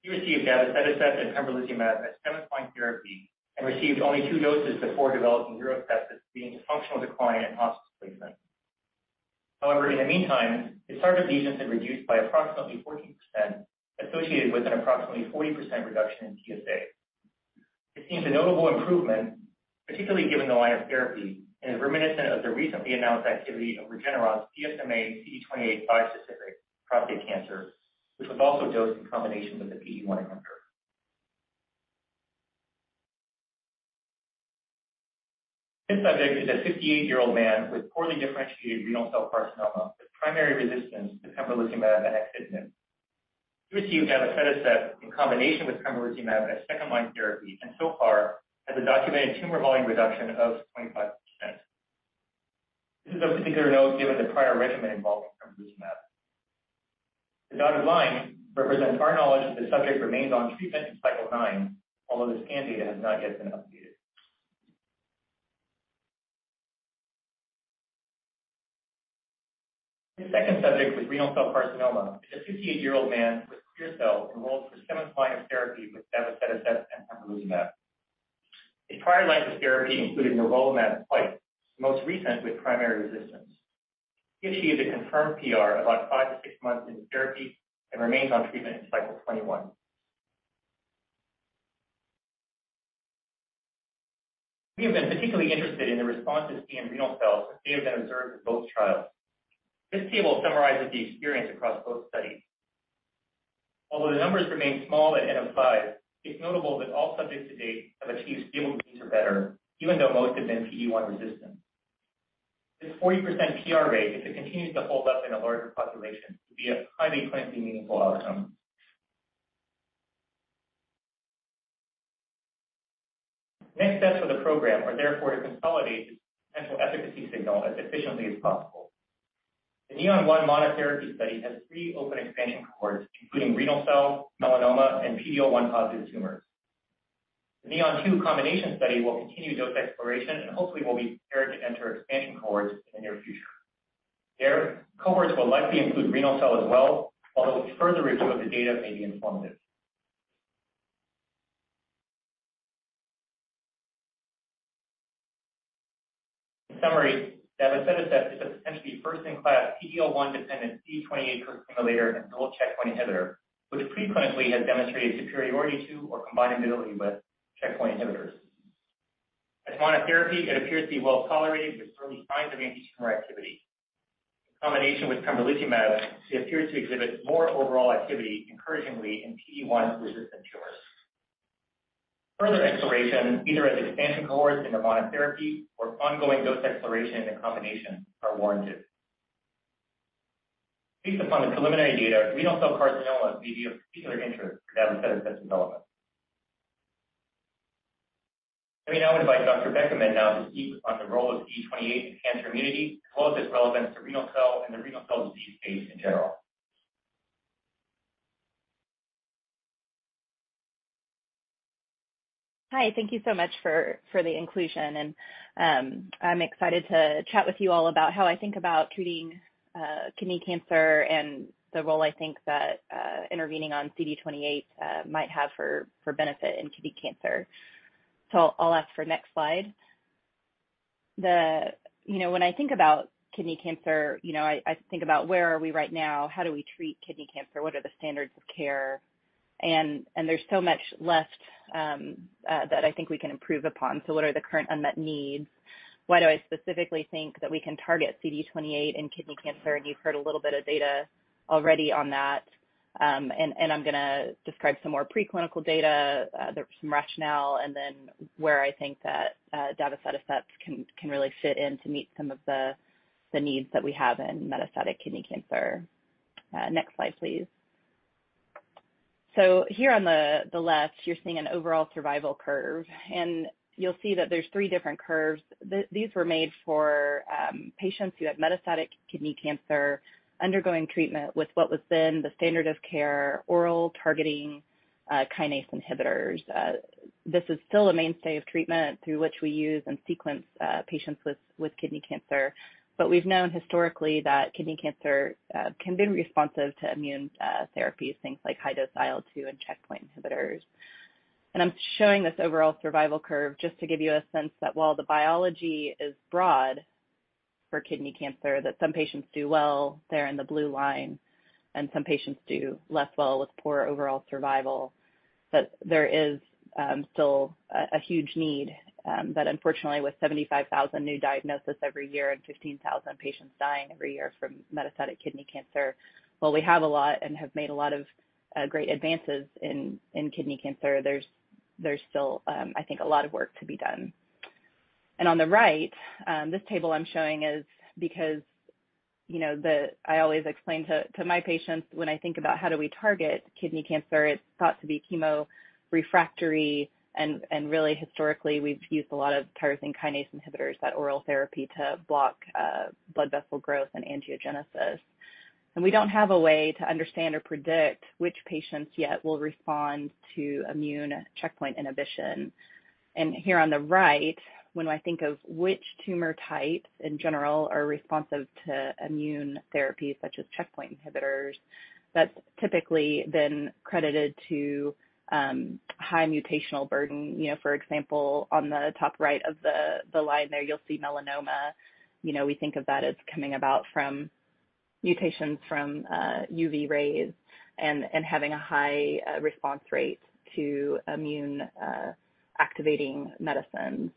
He received davoceticept and pembrolizumab as 7th-line therapy and received only two doses before developing neurocognitive functional decline and hospice placement. However, in the meantime, his target lesions had reduced by approximately 14%, associated with an approximately 40% reduction in PSA. This seems a notable improvement, particularly given the line of therapy, and is reminiscent of the recently announced activity of Regeneron's PSMA×CD28 bispecific prostate cancer, which was also dosed in combination with a PD-1 inhibitor. This subject is a 58-year-old man with poorly differentiated renal cell carcinoma with primary resistance to pembrolizumab and axitinib. He received davoceticept in combination with pembrolizumab as 2nd-line therapy, and so far has a documented tumor volume reduction of 25%. This is of particular note given the prior regimen involving pembrolizumab. The dotted line represents our knowledge that the subject remains on treatment in cycle 9, although the scan data has not yet been updated. The second subject with renal cell carcinoma is a 58-year-old man with clear cell enrolled for seventh-line of therapy with davoceticept and pembrolizumab. A prior line of therapy included nivolumab twice, most recent with primary resistance. He achieved a confirmed PR about 5-6 months into therapy and remains on treatment in cycle 21. We have been particularly interested in the responses seen in renal cells that we have observed in both trials. This table summarizes the experience across both studies. Although the numbers remain small at N of five, it's notable that all subjects to date have achieved stable disease or better, even though most have been PD-1 resistant. This 40% PR rate, if it continues to hold up in a larger population, could be a highly clinically meaningful outcome. Next steps for the program are therefore to consolidate this potential efficacy signal as efficiently as possible. The NEON-1 monotherapy study has two open expansion cohorts, including renal cell, melanoma, and PD-L1-positive tumors. The NEON-2 combination study will continue dose exploration and hopefully will be prepared to enter expansion cohorts in the near future. There, cohorts will likely include renal cell as well, although further review of the data may be informative. In summary, davoceticept is a potentially first-in-class PD-L1-dependent CD28 costimulator and dual checkpoint inhibitor, which preclinically has demonstrated superiority to or combinability with checkpoint inhibitors. As monotherapy, it appears to be well-tolerated with early signs of antitumor activity. In combination with pembrolizumab, it appears to exhibit more overall activity, encouragingly in PD-1-resistant tumors. Further exploration, either as expansion cohorts into monotherapy or ongoing dose exploration and combination, is warranted. Based upon the preliminary data, renal cell carcinoma may be of particular interest for davoceticept development. Let me now inviteDr. Katy Beckermann to speak on the role of CD28 in cancer immunity, as well as its relevance to renal cell and the renal cell disease space in general. Hi, thank you so much for the inclusion. I'm excited to chat with you all about how I think about treating kidney cancer and the role I think that intervening on CD28 might have for benefit in kidney cancer. I'll ask for next slide. You know, when I think about kidney cancer, you know, I think about where are we right now? How do we treat kidney cancer? What are the standards of care? And there's so much left that I think we can improve upon. What are the current unmet needs? Why do I specifically think that we can target CD28 in kidney cancer? And you've heard a little bit of data already on that. I'm gonna describe some more preclinical data, some rationale, and then where I think that davoceticept can really fit in to meet some of the needs that we have in metastatic kidney cancer. Next slide, please. So here on the left, you're seeing an overall survival curve, and you'll see that there's three different curves. These were made for patients who had metastatic kidney cancer undergoing treatment with what was then the standard of care, oral targeted kinase inhibitors. This is still a mainstay of treatment through which we use and sequence patients with kidney cancer. We've known historically that kidney cancer can be responsive to immune therapies, things like high-dose IL-2 and checkpoint inhibitors. I'm showing this overall survival curve just to give you a sense that while the biology is broad for kidney cancer, that some patients do well, there in the blue line, and some patients do less well with poor overall survival. There is still a huge need that unfortunately, with 75,000 new diagnoses every year and 15,000 patients dying every year from metastatic kidney cancer, while we have a lot and have made a lot of great advances in kidney cancer, there's still I think a lot of work to be done. On the right, this table I'm showing is because, you know, the I always explain to my patients when I think about how do we target kidney cancer, it's thought to be chemo-refractory, and really historically, we've used a lot of tyrosine kinase inhibitors, that oral therapy, to block blood vessel growth and angiogenesis. We don't have a way to understand or predict which patients yet will respond to immune checkpoint inhibition. Here on the right, when I think of which tumor types in general are responsive to immune therapies such as checkpoint inhibitors, that's typically been credited to high mutational burden. You know, for example, on the top right of the line there, you'll see melanoma. You know, we think of that as coming about from mutations from UV rays and having a high response rate to immune activating medicines.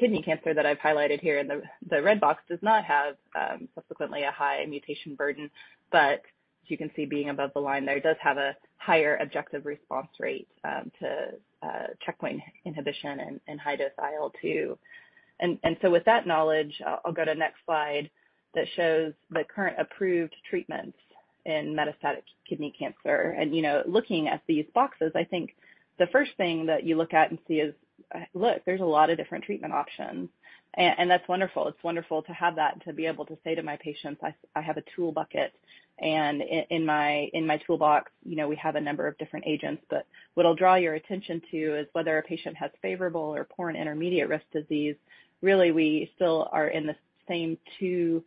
Kidney cancer that I've highlighted here in the red box does not have subsequently a high mutation burden, but as you can see, being above the line there, it does have a higher objective response rate to checkpoint inhibition and high-dose IL-2. So with that knowledge, I'll go to next slide that shows the current approved treatments in metastatic kidney cancer. You know, looking at these boxes, I think the first thing that you look at and see is look, there's a lot of different treatment options. And that's wonderful. It's wonderful to have that, to be able to say to my patients, "I have a toolkit," and in my toolbox, you know, we have a number of different agents. What I'll draw your attention to is whether a patient has favorable or poor and intermediate risk disease, really we still are in the same two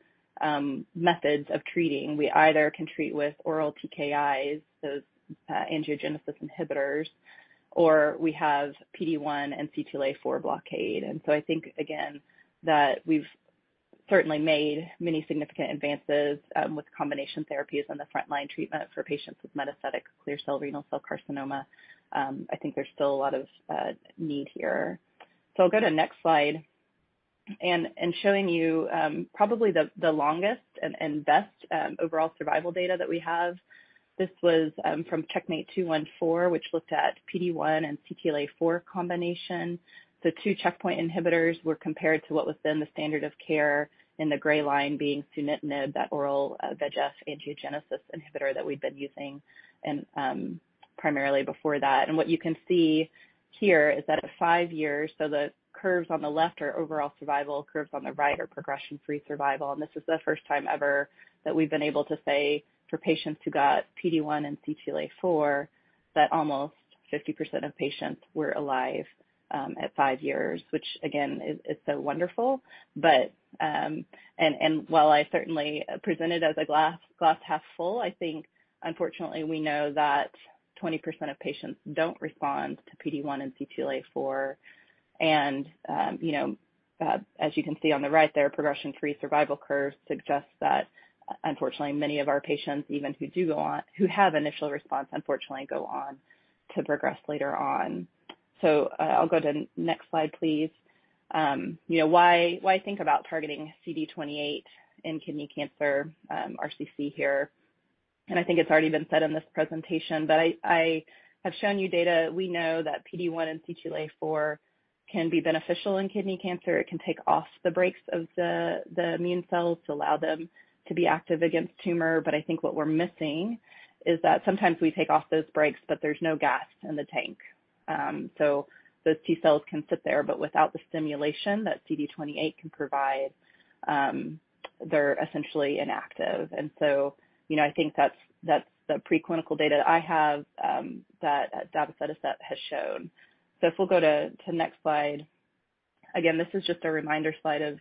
methods of treating. We either can treat with oral TKIs, those, angiogenesis inhibitors, or we have PD-1 and CTLA-4 blockade. I think, again, that we've certainly made many significant advances with combination therapies on the frontline treatment for patients with metastatic clear cell renal cell carcinoma. I think there's still a lot of need here. I'll go to next slide. Showing you probably the longest and best overall survival data that we have. This was from CheckMate 214, which looked at PD-1 and CTLA-4 combination. The two checkpoint inhibitors were compared to what was then the standard of care in the gray line being sunitinib, that oral, VEGF angiogenesis inhibitor that we'd been using and, primarily before that. What you can see here is that at five years, so the curves on the left are overall survival, curves on the right are progression-free survival. This is the first time ever that we've been able to say for patients who got PD-1 and CTLA-4, that almost 50% of patients were alive at five years, which again is wonderful. While I certainly present it as a glass half full, I think unfortunately we know that 20% of patients don't respond to PD-1 and CTLA-4. As you can see on the right there, progression-free survival curves suggest that unfortunately many of our patients, even who have initial response, unfortunately go on to progress later on. I'll go to next slide, please. Why think about targeting CD28 in kidney cancer, RCC here? I think it's already been said in this presentation, but I have shown you data. We know that PD-1 and CTLA-4 can be beneficial in kidney cancer. It can take off the brakes of the immune cells to allow them to be active against tumor. I think what we're missing is that sometimes we take off those brakes, but there's no gas in the tank. Those T-cells can sit there, but without the stimulation that CD28 can provide, they're essentially inactive. You know, I think that's the preclinical data I have that has shown. If we'll go to next slide. Again, this is just a reminder slide of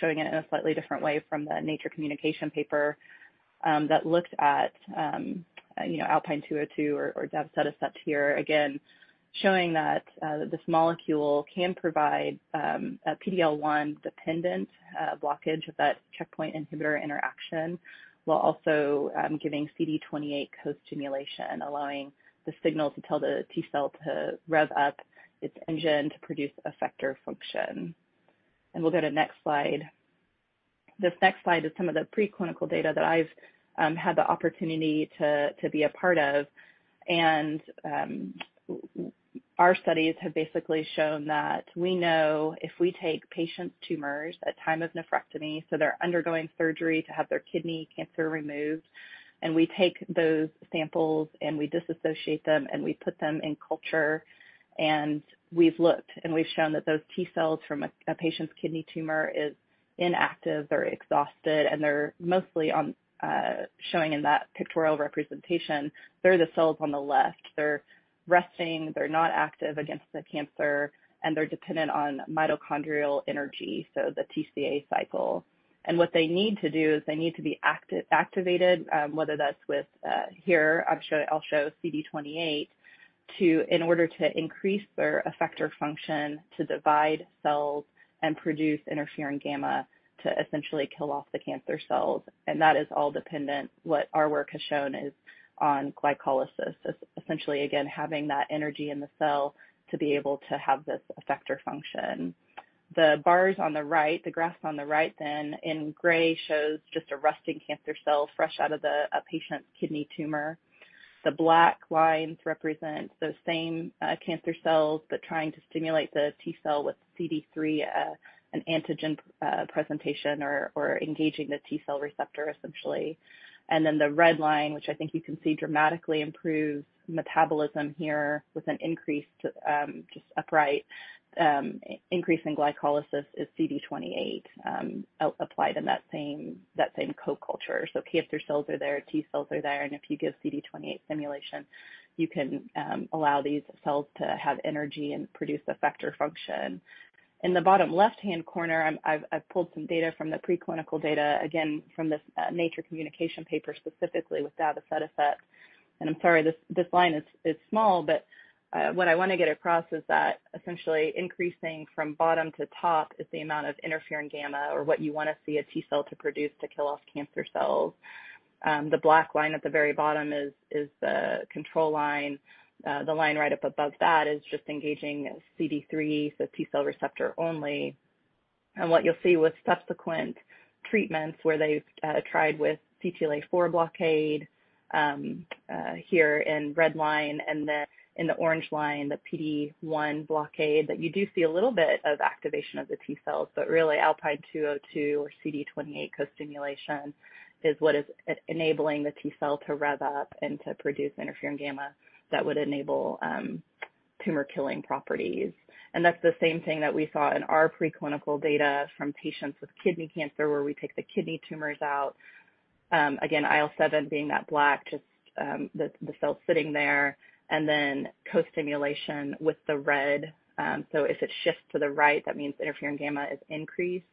showing it in a slightly different way from the Nature Communications paper that looked at, you know, Alpine 202 or davoceticept here, again, showing that this molecule can provide a PD-L1-dependent blockage of that checkpoint inhibitor interaction, while also giving CD28 co-stimulation, allowing the signal to tell the T-cell to rev up its engine to produce effector function. We'll go to next slide. This next slide is some of the preclinical data that I've had the opportunity to be a part of. Our studies have basically shown that we know if we take patients' tumors at time of nephrectomy, so they're undergoing surgery to have their kidney cancer removed, and we take those samples, and we dissociate them, and we put them in culture, and we've looked, and we've shown that those T-cells from a patient's kidney tumor is inactive. They're exhausted, and they're mostly showing in that pictorial representation. They're the cells on the left. They're resting, they're not active against the cancer, and they're dependent on mitochondrial energy, so the TCA cycle. What they need to do is they need to be activated, whether that's with, here, I'll show CD28 in order to increase their effector function to divide cells and produce interferon gamma to essentially kill off the cancer cells. That is all dependent, what our work has shown, is on glycolysis, essentially, again, having that energy in the cell to be able to have this effector function. The bars on the right, the graphs on the right then in gray shows just a resting cancer cell fresh out of a patient's kidney tumor. The black lines represent those same cancer cells, but trying to stimulate the T-cell with CD3, an antigen presentation or engaging the T-cell receptor, essentially. The red line, which I think you can see dramatically improves metabolism here with an increase to just upright increase in glycolysis is CD28 applied in that same co-culture. Cancer cells are there, T-cells are there, and if you give CD28 stimulation, you can allow these cells to have energy and produce effector function. In the bottom left-hand corner, I've pulled some data from the preclinical data, again, from this Nature Communications paper, specifically with davoceticept. I'm sorry this line is small, but what I wanna get across is that essentially increasing from bottom to top is the amount of interferon gamma or what you wanna see a T-cell to produce to kill off cancer cells. The black line at the very bottom is the control line. The line right up above that is just engaging CD3, so T-cell receptor only. What you'll see with subsequent treatments where they've tried with CTLA-4 blockade, here in red line and in the orange line, the PD-1 blockade, that you do see a little bit of activation of the T cells, but really Alpine 202 or CD28 co-stimulation is what is enabling the T cell to rev up and to produce interferon gamma that would enable tumor killing properties. That's the same thing that we saw in our preclinical data from patients with kidney cancer where we take the kidney tumors out. Again, IL-7 being that black, just the cell sitting there, and then co-stimulation with the red. So if it shifts to the right, that means interferon gamma is increased.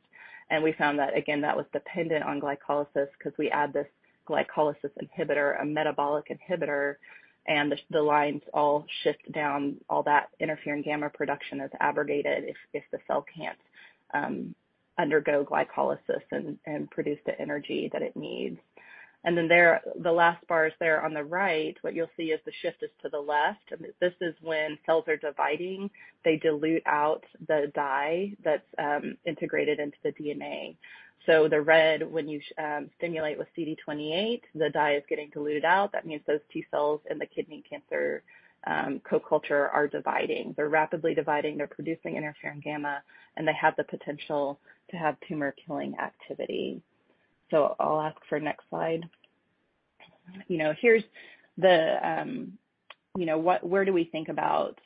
We found that, again, that was dependent on glycolysis 'cause we add this glycolysis inhibitor, a metabolic inhibitor, and the lines all shift down, all that interferon gamma production is abrogated if the cell can't undergo glycolysis and produce the energy that it needs. Then there, the last bars there on the right, what you'll see is the shift is to the left. This is when cells are dividing, they dilute out the dye that's integrated into the DNA. The red, when you stimulate with CD28, the dye is getting diluted out. That means those T-cells in the kidney cancer co-culture are dividing. They're rapidly dividing, they're producing interferon gamma, and they have the potential to have tumor-killing activity. I'll ask for next slide. You know, here's the, you know, where do we think about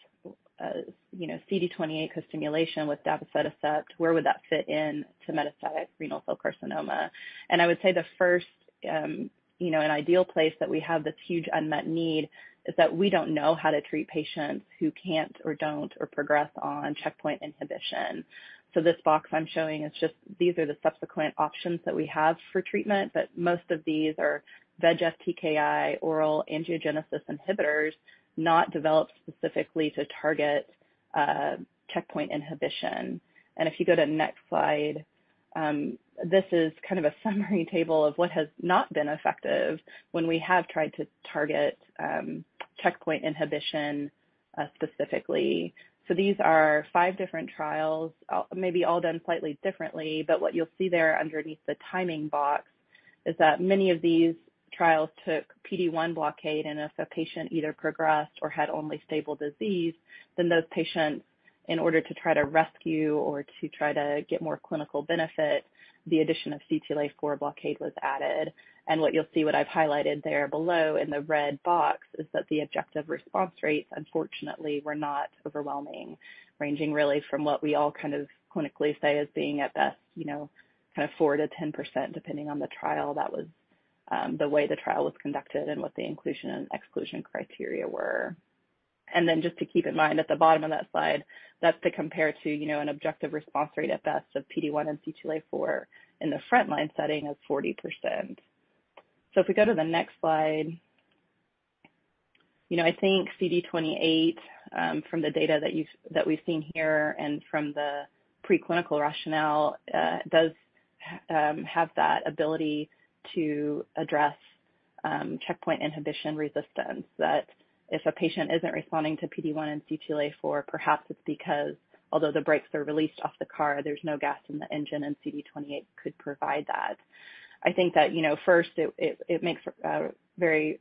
CD28 co-stimulation with davoceticept? Where would that fit into metastatic renal cell carcinoma? I would say the first, you know, an ideal place that we have this huge unmet need is that we don't know how to treat patients who can't or don't or progress on checkpoint inhibition. This box I'm showing is just these are the subsequent options that we have for treatment, but most of these are VEGF-TKI, oral angiogenesis inhibitors, not developed specifically to target checkpoint inhibition. If you go to next slide, this is kind of a summary table of what has not been effective when we have tried to target checkpoint inhibition specifically. These are five different trials, maybe all done slightly differently, but what you'll see there underneath the timing box is that many of these trials took PD-1 blockade, and if a patient either progressed or had only stable disease, then those patients, in order to try to rescue or to try to get more clinical benefit, the addition of CTLA-4 blockade was added. What you'll see, what I've highlighted there below in the red box, is that the objective response rates, unfortunately, were not overwhelming, ranging really from what we all kind of clinically say as being at best, you know, kind of 4%-10%, depending on the trial that was, the way the trial was conducted and what the inclusion and exclusion criteria were. Just to keep in mind, at the bottom of that slide, that's to compare to, you know, an objective response rate at best of PD-1 and CTLA-4 in the frontline setting of 40%. If we go to the next slide, you know, I think CD28 from the data that we've seen here and from the preclinical rationale does have that ability to address checkpoint inhibitor resistance that if a patient isn't responding to PD-1 and CTLA-4, perhaps it's because although the brakes are released off the car, there's no gas in the engine and CD28 could provide that. I think that, you know, first it makes very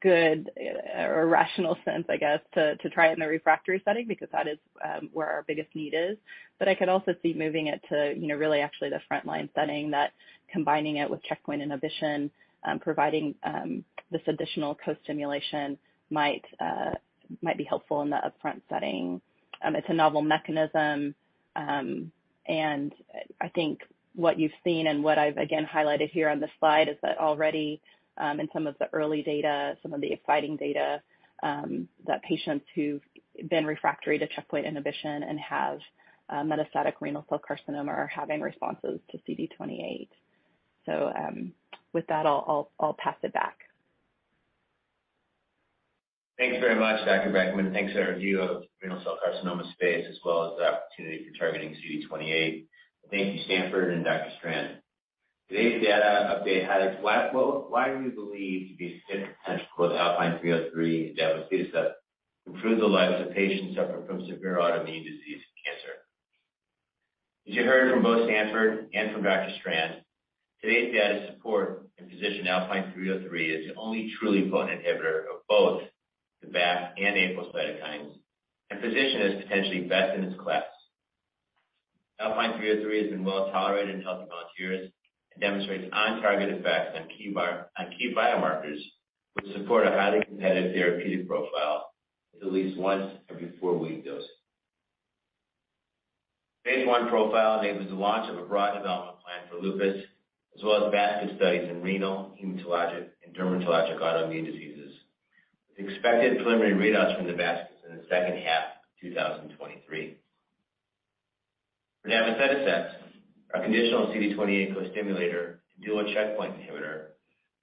good or rational sense, I guess, to try it in the refractory setting because that is where our biggest need is. I could also see moving it to, you know, really actually the frontline setting that combining it with checkpoint inhibition, providing this additional co-stimulation might be helpful in the upfront setting. It's a novel mechanism, and I think what you've seen and what I've again highlighted here on the slide is that already, in some of the early data, some of the exciting data, that patients who've been refractory to checkpoint inhibition and have metastatic renal cell carcinoma are having responses to CD28. So, with that, I'll pass it back. Thanks very much, Dr. Beckermann. Thanks for that review of renal cell carcinoma space as well as the opportunity for targeting CD28. Thank you, Stanford and Dr. Strand. Today's data update had what we believe to be significant potential with ALPN-303 and davoceticept to improve the lives of patients suffering from severe autoimmune disease and cancer. As you heard from both Stanford and from Dr. Strand, today's data support and position ALPN-303 as the only truly potent inhibitor of both the BAFF and APRIL cytokines, and position us potentially best in its class. ALPN-303 has been well tolerated in healthy volunteers and demonstrates on-target effects on key biomarkers, which support a highly competitive therapeutic profile with at least once every four-week dosing. Phase 1 profile enables the launch of a broad development plan for lupus, as well as basket studies in renal, hematologic, and dermatologic autoimmune diseases, with expected preliminary readouts from the baskets in the second half of 2023. For davoceticept, our conditional CD28 costimulator and dual checkpoint inhibitor,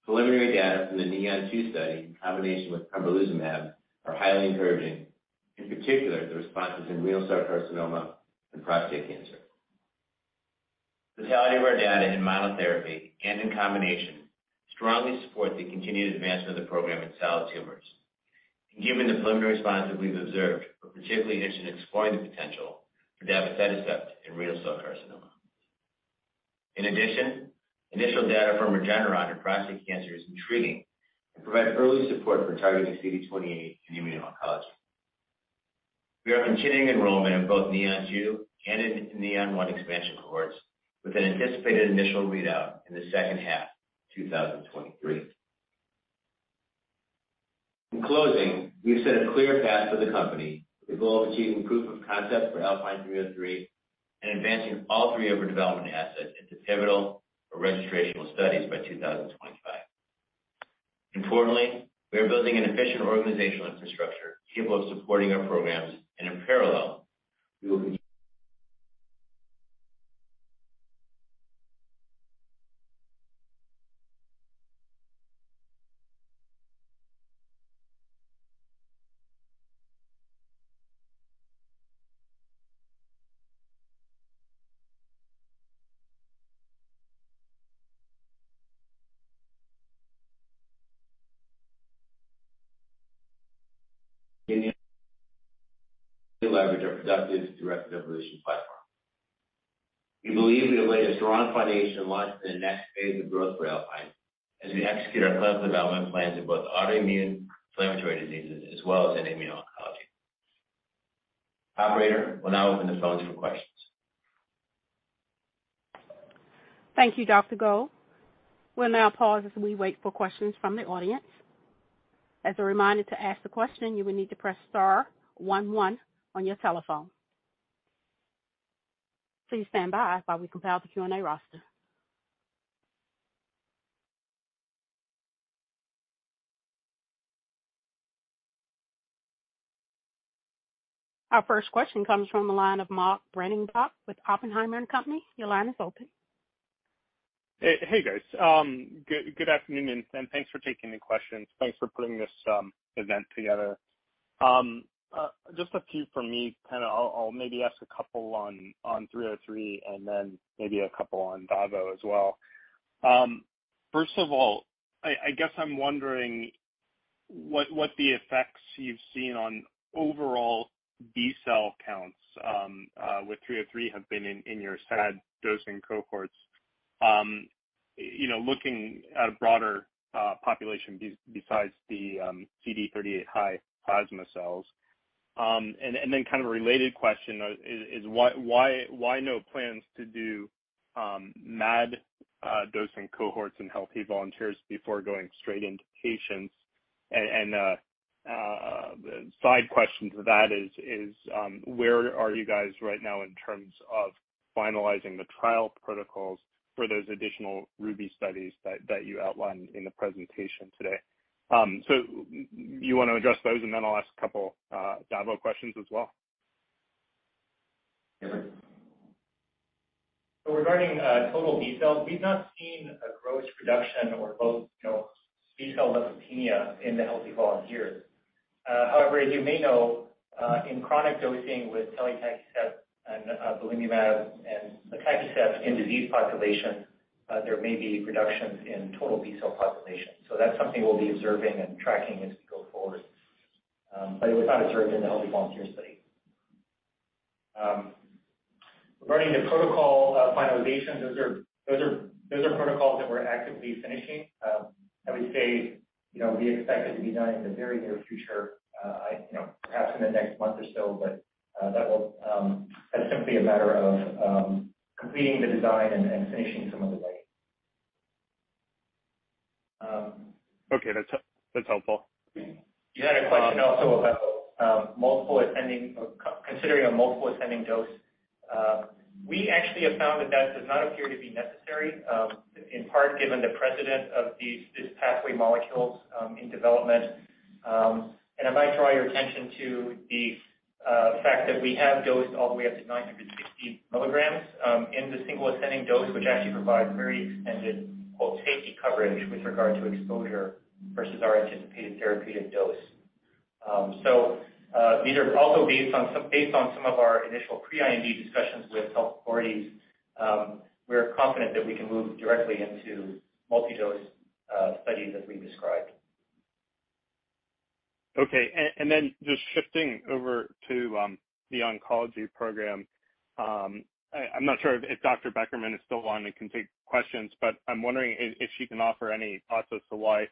preliminary data from the NEON-2 study in combination with pembrolizumab are highly encouraging, in particular, the responses in renal cell carcinoma and prostate cancer. The totality of our data in monotherapy and in combination strongly support the continued advancement of the program in solid tumors. Given the preliminary response that we've observed, we're particularly interested in exploring the potential for davoceticept in renal cell carcinoma. In addition, initial data from Regeneron in prostate cancer is intriguing and provides early support for targeting CD28 in immuno-oncology. We are continuing enrollment in both NEON-2 and in NEON-1 expansion cohorts with an anticipated initial readout in the second half of 2023. In closing, we've set a clear path for the company with the goal of achieving proof of concept for ALPN-303 and advancing all three of our development assets into pivotal or registrational studies by 2025. Importantly, we are building an efficient organizational infrastructure capable of supporting our programs, and in parallel, we will leverage our productive directed evolution platform. We believe we have laid a strong foundation to launch the next phase of growth for Alpine as we execute our plans and development plans in both autoimmune inflammatory diseases as well as in immuno-oncology. Operator, we'll now open the phones for questions. Thank you, Mitchell Gold. We'll now pause as we wait for questions from the audience. As a reminder to ask the question, you will need to press star one on your telephone. Please stand by while we compile the Q&A roster. Our first question comes from the line of Mark Breidenbach with Oppenheimer & Co. Your line is open. Hey, guys. Good afternoon, and thanks for taking the questions. Thanks for putting this event together. Just a few from me. Kinda I'll maybe ask a couple on three oh three and then maybe a couple on davoceticept as well. First of all, I guess I'm wondering what the effects you've seen on overall B-cell counts with three oh three have been in your SAD dosing cohorts. You know, looking at a broader population besides the CD38 high plasma cells. And then kind of a related question is why no plans to do MAD dosing cohorts in healthy volunteers before going straight into patients? Side question to that is, where are you guys right now in terms of finalizing the trial protocols for those additional RUBY studies that you outlined in the presentation today? You wanna address those, and then I'll ask a couple davoceticept questions as well. Sure. Regarding total B cells, we've not seen a gross reduction or low, you know, B-cell leukopenia in the healthy volunteers. However, as you may know, in chronic dosing with telitacicept and belimumab and atacicept in disease population, there may be reductions in total B-cell population. That's something we'll be observing and tracking as we go forward, but it was not observed in the healthy volunteer study. Regarding the protocol finalization, those are protocols that we're actively finishing. I would say, you know, we expect it to be done in the very near future, you know, perhaps in the next month or so. That will, that's simply a matter of completing the design and finishing some of the writing. Okay. That's helpful. You had a question also about multiple ascending or considering a multiple ascending dose. We actually have found that does not appear to be necessary, in part given the precedent of these pathway molecules in development. I might draw your attention to the fact that we have dosed all the way up to 960 milligrams in the single ascending dose, which actually provides very extended “TACI” coverage with regard to exposure versus our anticipated therapeutic dose. These are also based on some of our initial pre-IND discussions with health authorities. We are confident that we can move directly into multi-dose studies as we've described. Okay. Then just shifting over to the oncology program, I'm not sure if Dr. Beckermann is still on and can take questions, but I'm wondering if she can offer any thoughts as to why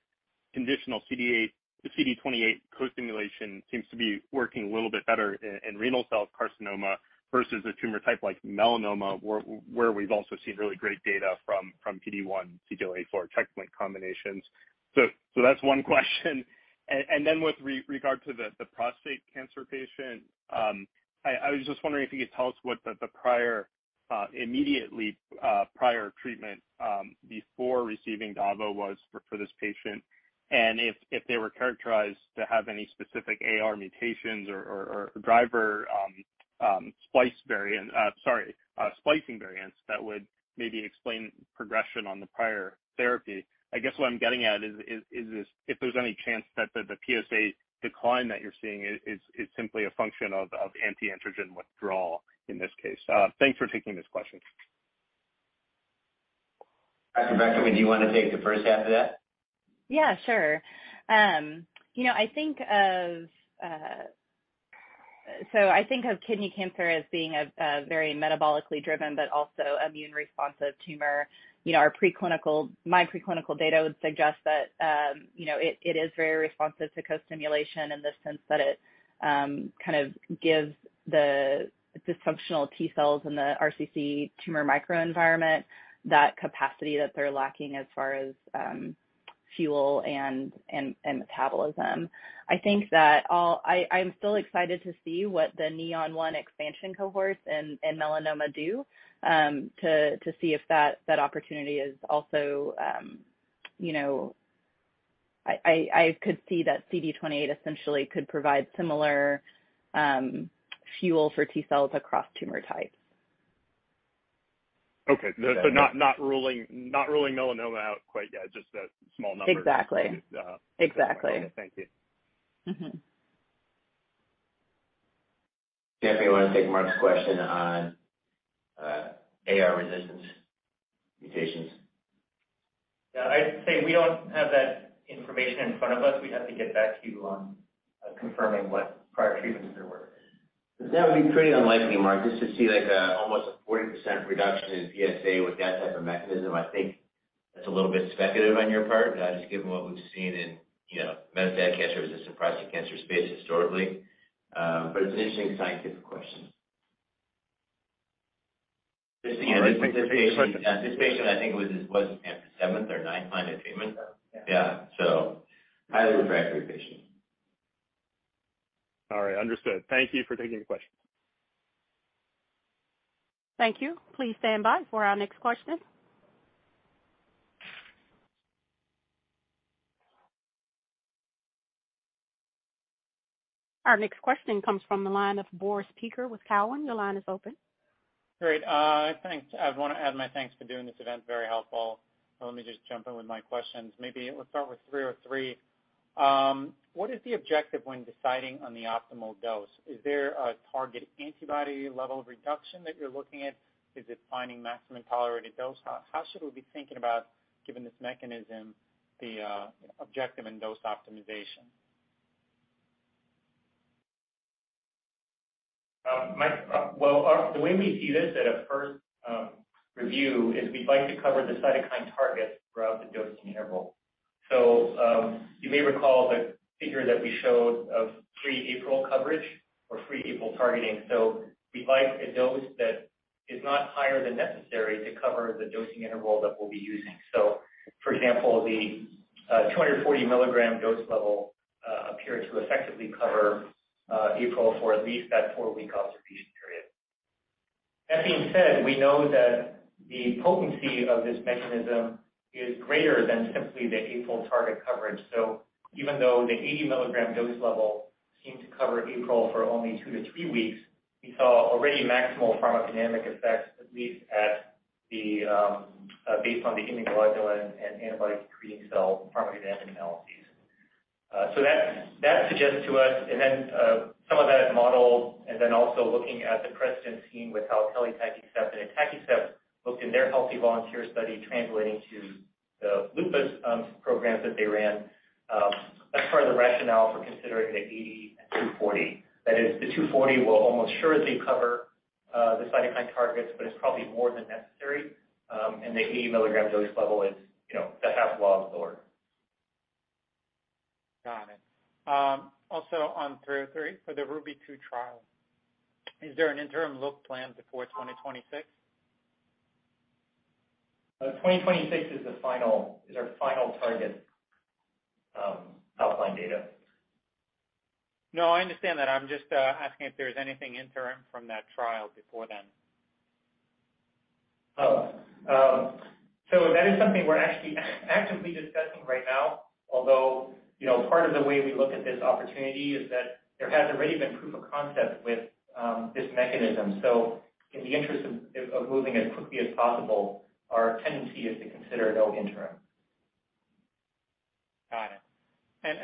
conditional CD8, the CD28 co-stimulation seems to be working a little bit better in renal cell carcinoma versus a tumor type like melanoma where we've also seen really great data from PD-1 CTLA-4 checkpoint combinations. That's one question. Then with regard to the prostate cancer patient, I was just wondering if you could tell us what the immediately prior treatment before receiving davo was for this patient, and if they were characterized to have any specific AR mutations or driver splice variant. Splicing variants that would maybe explain progression on the prior therapy. I guess what I'm getting at is this, if there's any chance that the PSA decline that you're seeing is simply a function of anti-androgen withdrawal in this case. Thanks for taking this question. Dr. Beckermann, do you wanna take the first half of that? Yeah, sure. You know, I think of kidney cancer as being a very metabolically driven, but also immune responsive tumor. You know, my preclinical data would suggest that it is very responsive to co-stimulation in the sense that it kind of gives the dysfunctional T-cells in the RCC tumor microenvironment that capacity that they're lacking as far as fuel and metabolism. I think that. I'm still excited to see what the NEON-1 expansion cohorts and melanoma do to see if that opportunity is also, you know. I could see that CD28 essentially could provide similar fuel for T-cells across tumor types. Okay. Not ruling melanoma out quite yet, just that small numbers. Exactly. Yeah. Exactly. Thank you. Mm-hmm. Stanford, you wanna take Mark Breidenbach's question on AR resistance mutations? Yeah. I'd say we don't have that information in front of us. We'd have to get back to you on confirming what prior treatments there were. That would be pretty unlikely, Mark, just to see like a almost 40% reduction in PSA with that type of mechanism. I think that's a little bit speculative on your part, just given what we've seen in, you know, metastatic cancer versus the prostate cancer space historically. It's an interesting scientific question. All right. Thanks. This patient I think was in seventh or ninth line of treatment. Yeah. Yeah. Highly refractory patient. All right. Understood. Thank you for taking the question. Thank you. Please stand by for our next question. Our next question comes from the line of Boris Peaker with Cowen. Your line is open. Great. Thanks. I wanna add my thanks for doing this event, very helpful. Let me just jump in with my questions. Maybe let's start with three of three. What is the objective when deciding on the optimal dose? Is there a target antibody level reduction that you're looking at? Is it finding maximum tolerated dose? How should we be thinking about, given this mechanism, the objective and dose optimization? The way we see this at a first review is we'd like to cover the cytokine targets throughout the dosing interval. You may recall the figure that we showed of pro-APRIL coverage or pro-APRIL targeting. We'd like a dose that is not higher than necessary to cover the dosing interval that we'll be using. For example, the 240 milligram dose level appeared to effectively cover APRIL for at least that 4-week observation period. That being said, we know that the potency of this mechanism is greater than simply the APRIL target coverage. Even though the 80 milligram dose level seemed to cover APRIL for only 2-3 weeks, we saw already maximal pharmacodynamic effects, at least based on the immunoglobulin and antibody secreting cell pharmacodynamic analyses. That suggests to us. Some of that is modeled, and also looking at the precedent seen with how telitacicept and atacicept looked in their healthy volunteer study translating to the lupus programs that they ran. That's part of the rationale for considering the 80 and 240. That is, the 240 will almost surely cover the cytokine targets, but it's probably more than necessary, and the 80 milligrams dose level is, you know, a half log lower. Got it. Also on 303, for the RUBY-2 trial, is there an interim look planned before 2026? 2026 is our final target, Alpine data. No, I understand that. I'm just asking if there's anything interim from that trial before then. That is something we're actually actively discussing right now. Although, you know, part of the way we look at this opportunity is that there has already been proof of concept with this mechanism. In the interest of moving as quickly as possible, our tendency is to consider no interim. Got it.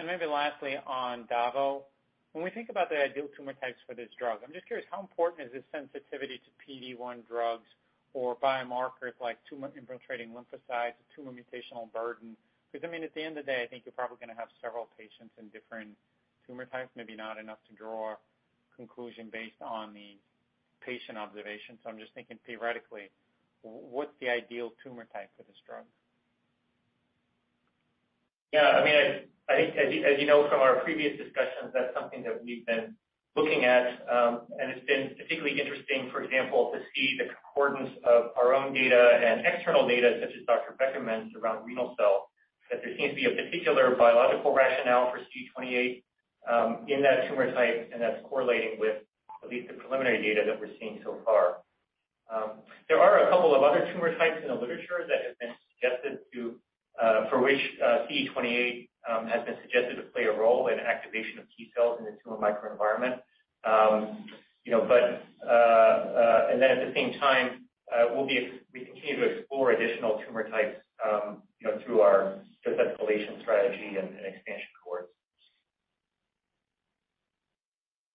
Maybe lastly, ondavoceticept. When we think about the ideal tumor types for this drug, I'm just curious, how important is the sensitivity to PD-1 drugs or biomarkers like tumor-infiltrating lymphocytes or tumor mutational burden? 'Cause, I mean, at the end of the day, I think you're probably gonna have several patients in different tumor types, maybe not enough to draw a conclusion based on the patient observation. I'm just thinking theoretically, what's the ideal tumor type for this drug? Yeah, I mean, I think as you know from our previous discussions, that's something that we've been looking at, and it's been particularly interesting, for example, to see the concordance of our own data and external data such as Dr. Beckermann's around renal cell, that there seems to be a particular biological rationale for CD28 in that tumor type, and that's correlating with at least the preliminary data that we're seeing so far. There are a couple of other tumor types in the literature that have been suggested for which CD28 has been suggested to play a role in activation of T cells in the tumor microenvironment. you know, at the same time, we continue to explore additional tumor types, you know, through our dose escalation strategy and expansion cohorts.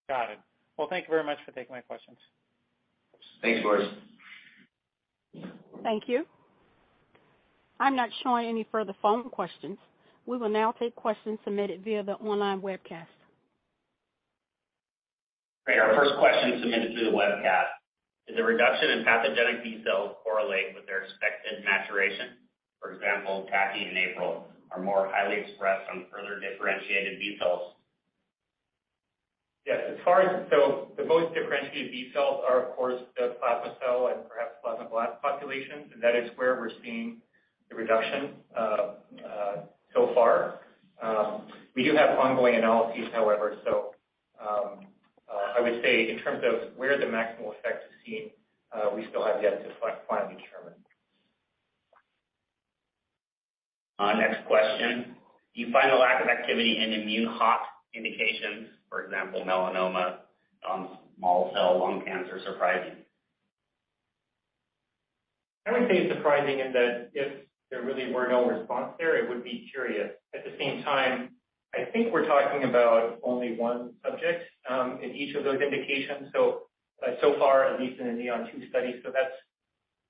Got it. Well, thank you very much for taking my questions. Thanks, Boris. Thank you. I'm not showing any further phone questions. We will now take questions submitted via the online webcast. Great. Our first question submitted through the webcast. Did the reduction in pathogenic B cells correlate with their expected maturation? For example, TACI and APRIL are more highly expressed on further differentiated B cells. Yes. As far as the most differentiated B cells are, of course, the plasma cell and perhaps plasmablast populations, and that is where we're seeing the reduction so far. We do have ongoing analyses, however, so I would say in terms of where the maximal effect is seen, we still have yet to finally determine. Next question. Do you find the lack of activity in immune hot indications, for example, melanoma, non-small cell lung cancer surprising? I wouldn't say it's surprising in that if there really were no response there, it would be curious. At the same time, I think we're talking about only one subject in each of those indications. So far, at least in the NEON-2 study. That's,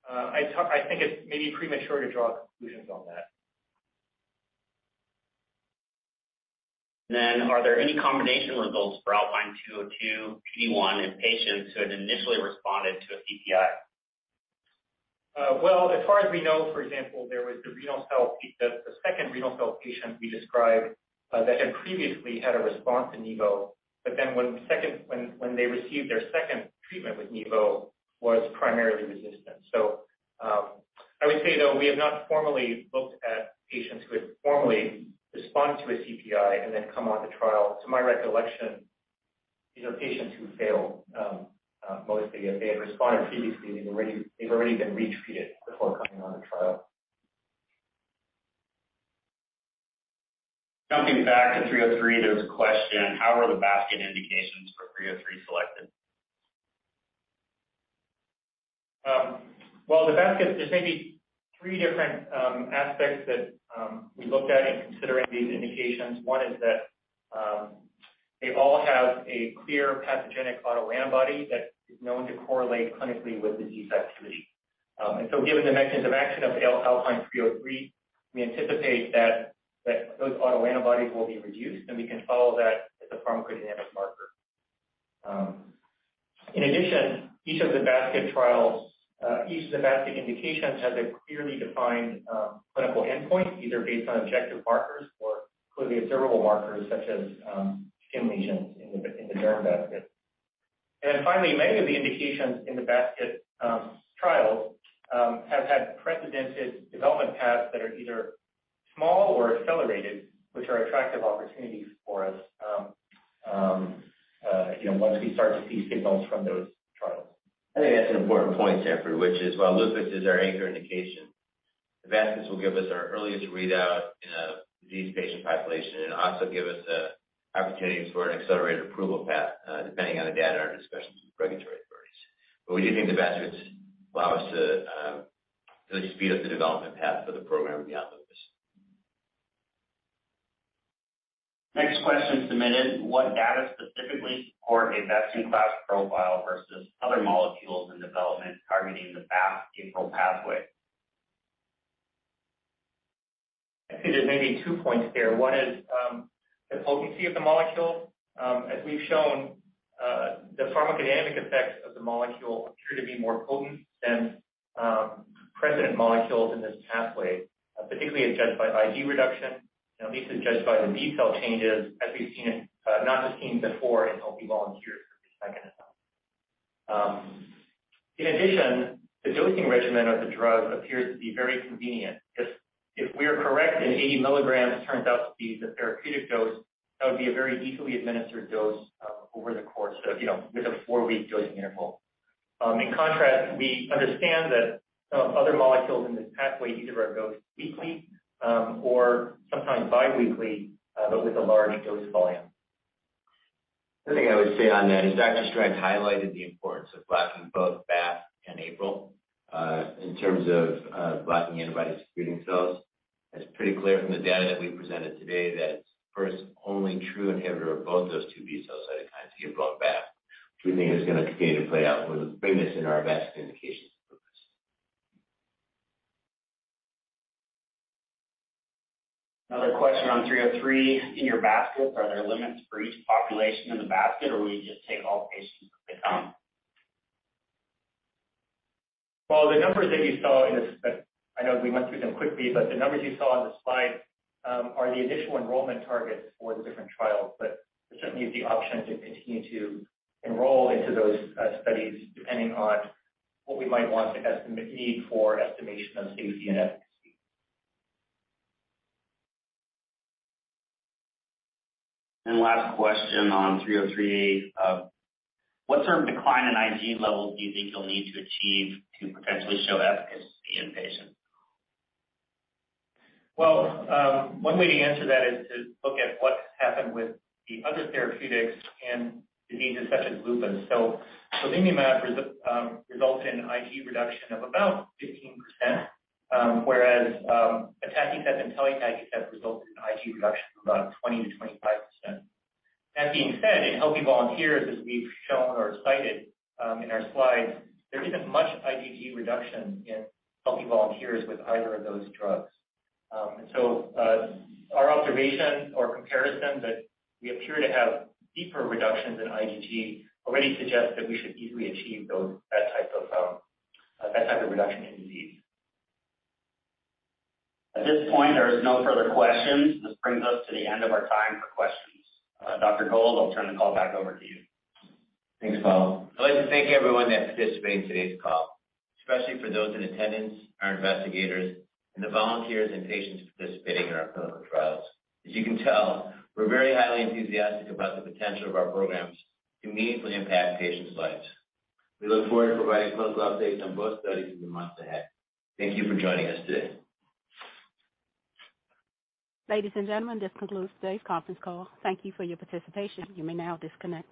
I think it's maybe premature to draw conclusions on that. Are there any combination results for Alpine 202, PD-1 in patients who had initially responded to a CPI? Well, as far as we know, for example, there was the second renal cell patient we described, that had previously had a response to nivolumab, but then when they received their second treatment with nivolumab, was primarily resistant. I would say, though, we have not formally looked at patients who had formally responded to a CPI and then come on the trial. To my recollection, these are patients who failed, mostly. If they had responded previously, they've already been retreated before coming on the trial. Jumping back to ALPN-303, there's a question. How were the basket indications for ALPN-303 selected? Well, the basket, there's maybe three different aspects that we looked at in considering these indications. One is that they all have a clear pathogenic autoantibody that is known to correlate clinically with disease activity. Given the mechanism of action of ALPN-303, we anticipate that those autoantibodies will be reduced, and we can follow that as a pharmacodynamic marker. In addition, each of the basket indications has a clearly defined clinical endpoint, either based on objective markers or clearly observable markers such as skin lesions in the derm basket. Finally, many of the indications in the basket trials have had precedented development paths that are either small or accelerated, which are attractive opportunities for us, you know, once we start to see signals from those trials. I think that's an important point, Stanford, which is while lupus is our anchor indication. The baskets will give us our earliest readout in a disease patient population and also give us opportunities for an accelerated approval path, depending on the data and our discussions with regulatory authorities. We do think the baskets allow us to really speed up the development path for the program beyond lupus. Next question submitted, what data specifically support a best-in-class profile versus other molecules in development targeting the BAFF/APRIL pathway? I'd say there may be two points here. One is the potency of the molecule. As we've shown, the pharmacodynamic effects of the molecule appear to be more potent than precedent molecules in this pathway, particularly as judged by Ig reduction, at least as judged by the B-cell changes not just seen before in healthy volunteers for the second time. In addition, the dosing regimen of the drug appears to be very convenient. If we are correct and 80 milligrams turns out to be the therapeutic dose, that would be a very easily administered dose, over the course of, you know, with a four-week dosing interval. In contrast, we understand that other molecules in this pathway either are dosed weekly, or sometimes biweekly, but with a large dose volume. The thing I would say on that is Dr. Strand highlighted the importance of blocking both BAFF and APRIL, in terms of blocking antibody-secreting cells. It's pretty clear from the data that we presented today that it's the first only true inhibitor of both those two B-cell cytokines of both BAFF, which we think is gonna continue to play out for the premise in our BAFF indications for this. Another question on 303. In your basket, are there limits for each population in the basket, or will you just take all patients that come? Well, the numbers that you saw in this, but I know we went through them quickly, but the numbers you saw on the slide are the additional enrollment targets for the different trials. There certainly is the option to continue to enroll into those studies, depending on what we might want to estimate need for estimation of safety and efficacy. Last question on 303. What sort of decline in Ig levels do you think you'll need to achieve to potentially show efficacy in patients? Well, one way to answer that is to look at what's happened with the other therapeutics in diseases such as lupus. Belimumab results in Ig reduction of about 15%, whereas, atacicept and telitacicept result in Ig reduction of about 20%-25%. That being said, in healthy volunteers, as we've shown or cited, in our slides, there isn't much Ig reduction in healthy volunteers with either of those drugs. Our observation or comparison that we appear to have deeper reductions in Ig already suggests that we should easily achieve that type of reduction in disease. At this point, there are no further questions. This brings us to the end of our time for questions. Dr. Gold, I'll turn the call back over to you. Thanks, Paul. I'd like to thank everyone that participated in today's call, especially for those in attendance, our investigators, and the volunteers and patients participating in our clinical trials. As you can tell, we're very highly enthusiastic about the potential of our programs to meaningfully impact patients' lives. We look forward to providing clinical updates on both studies in the months ahead. Thank you for joining us today. Ladies and gentlemen, this concludes today's conference call. Thank you for your participation. You may now disconnect.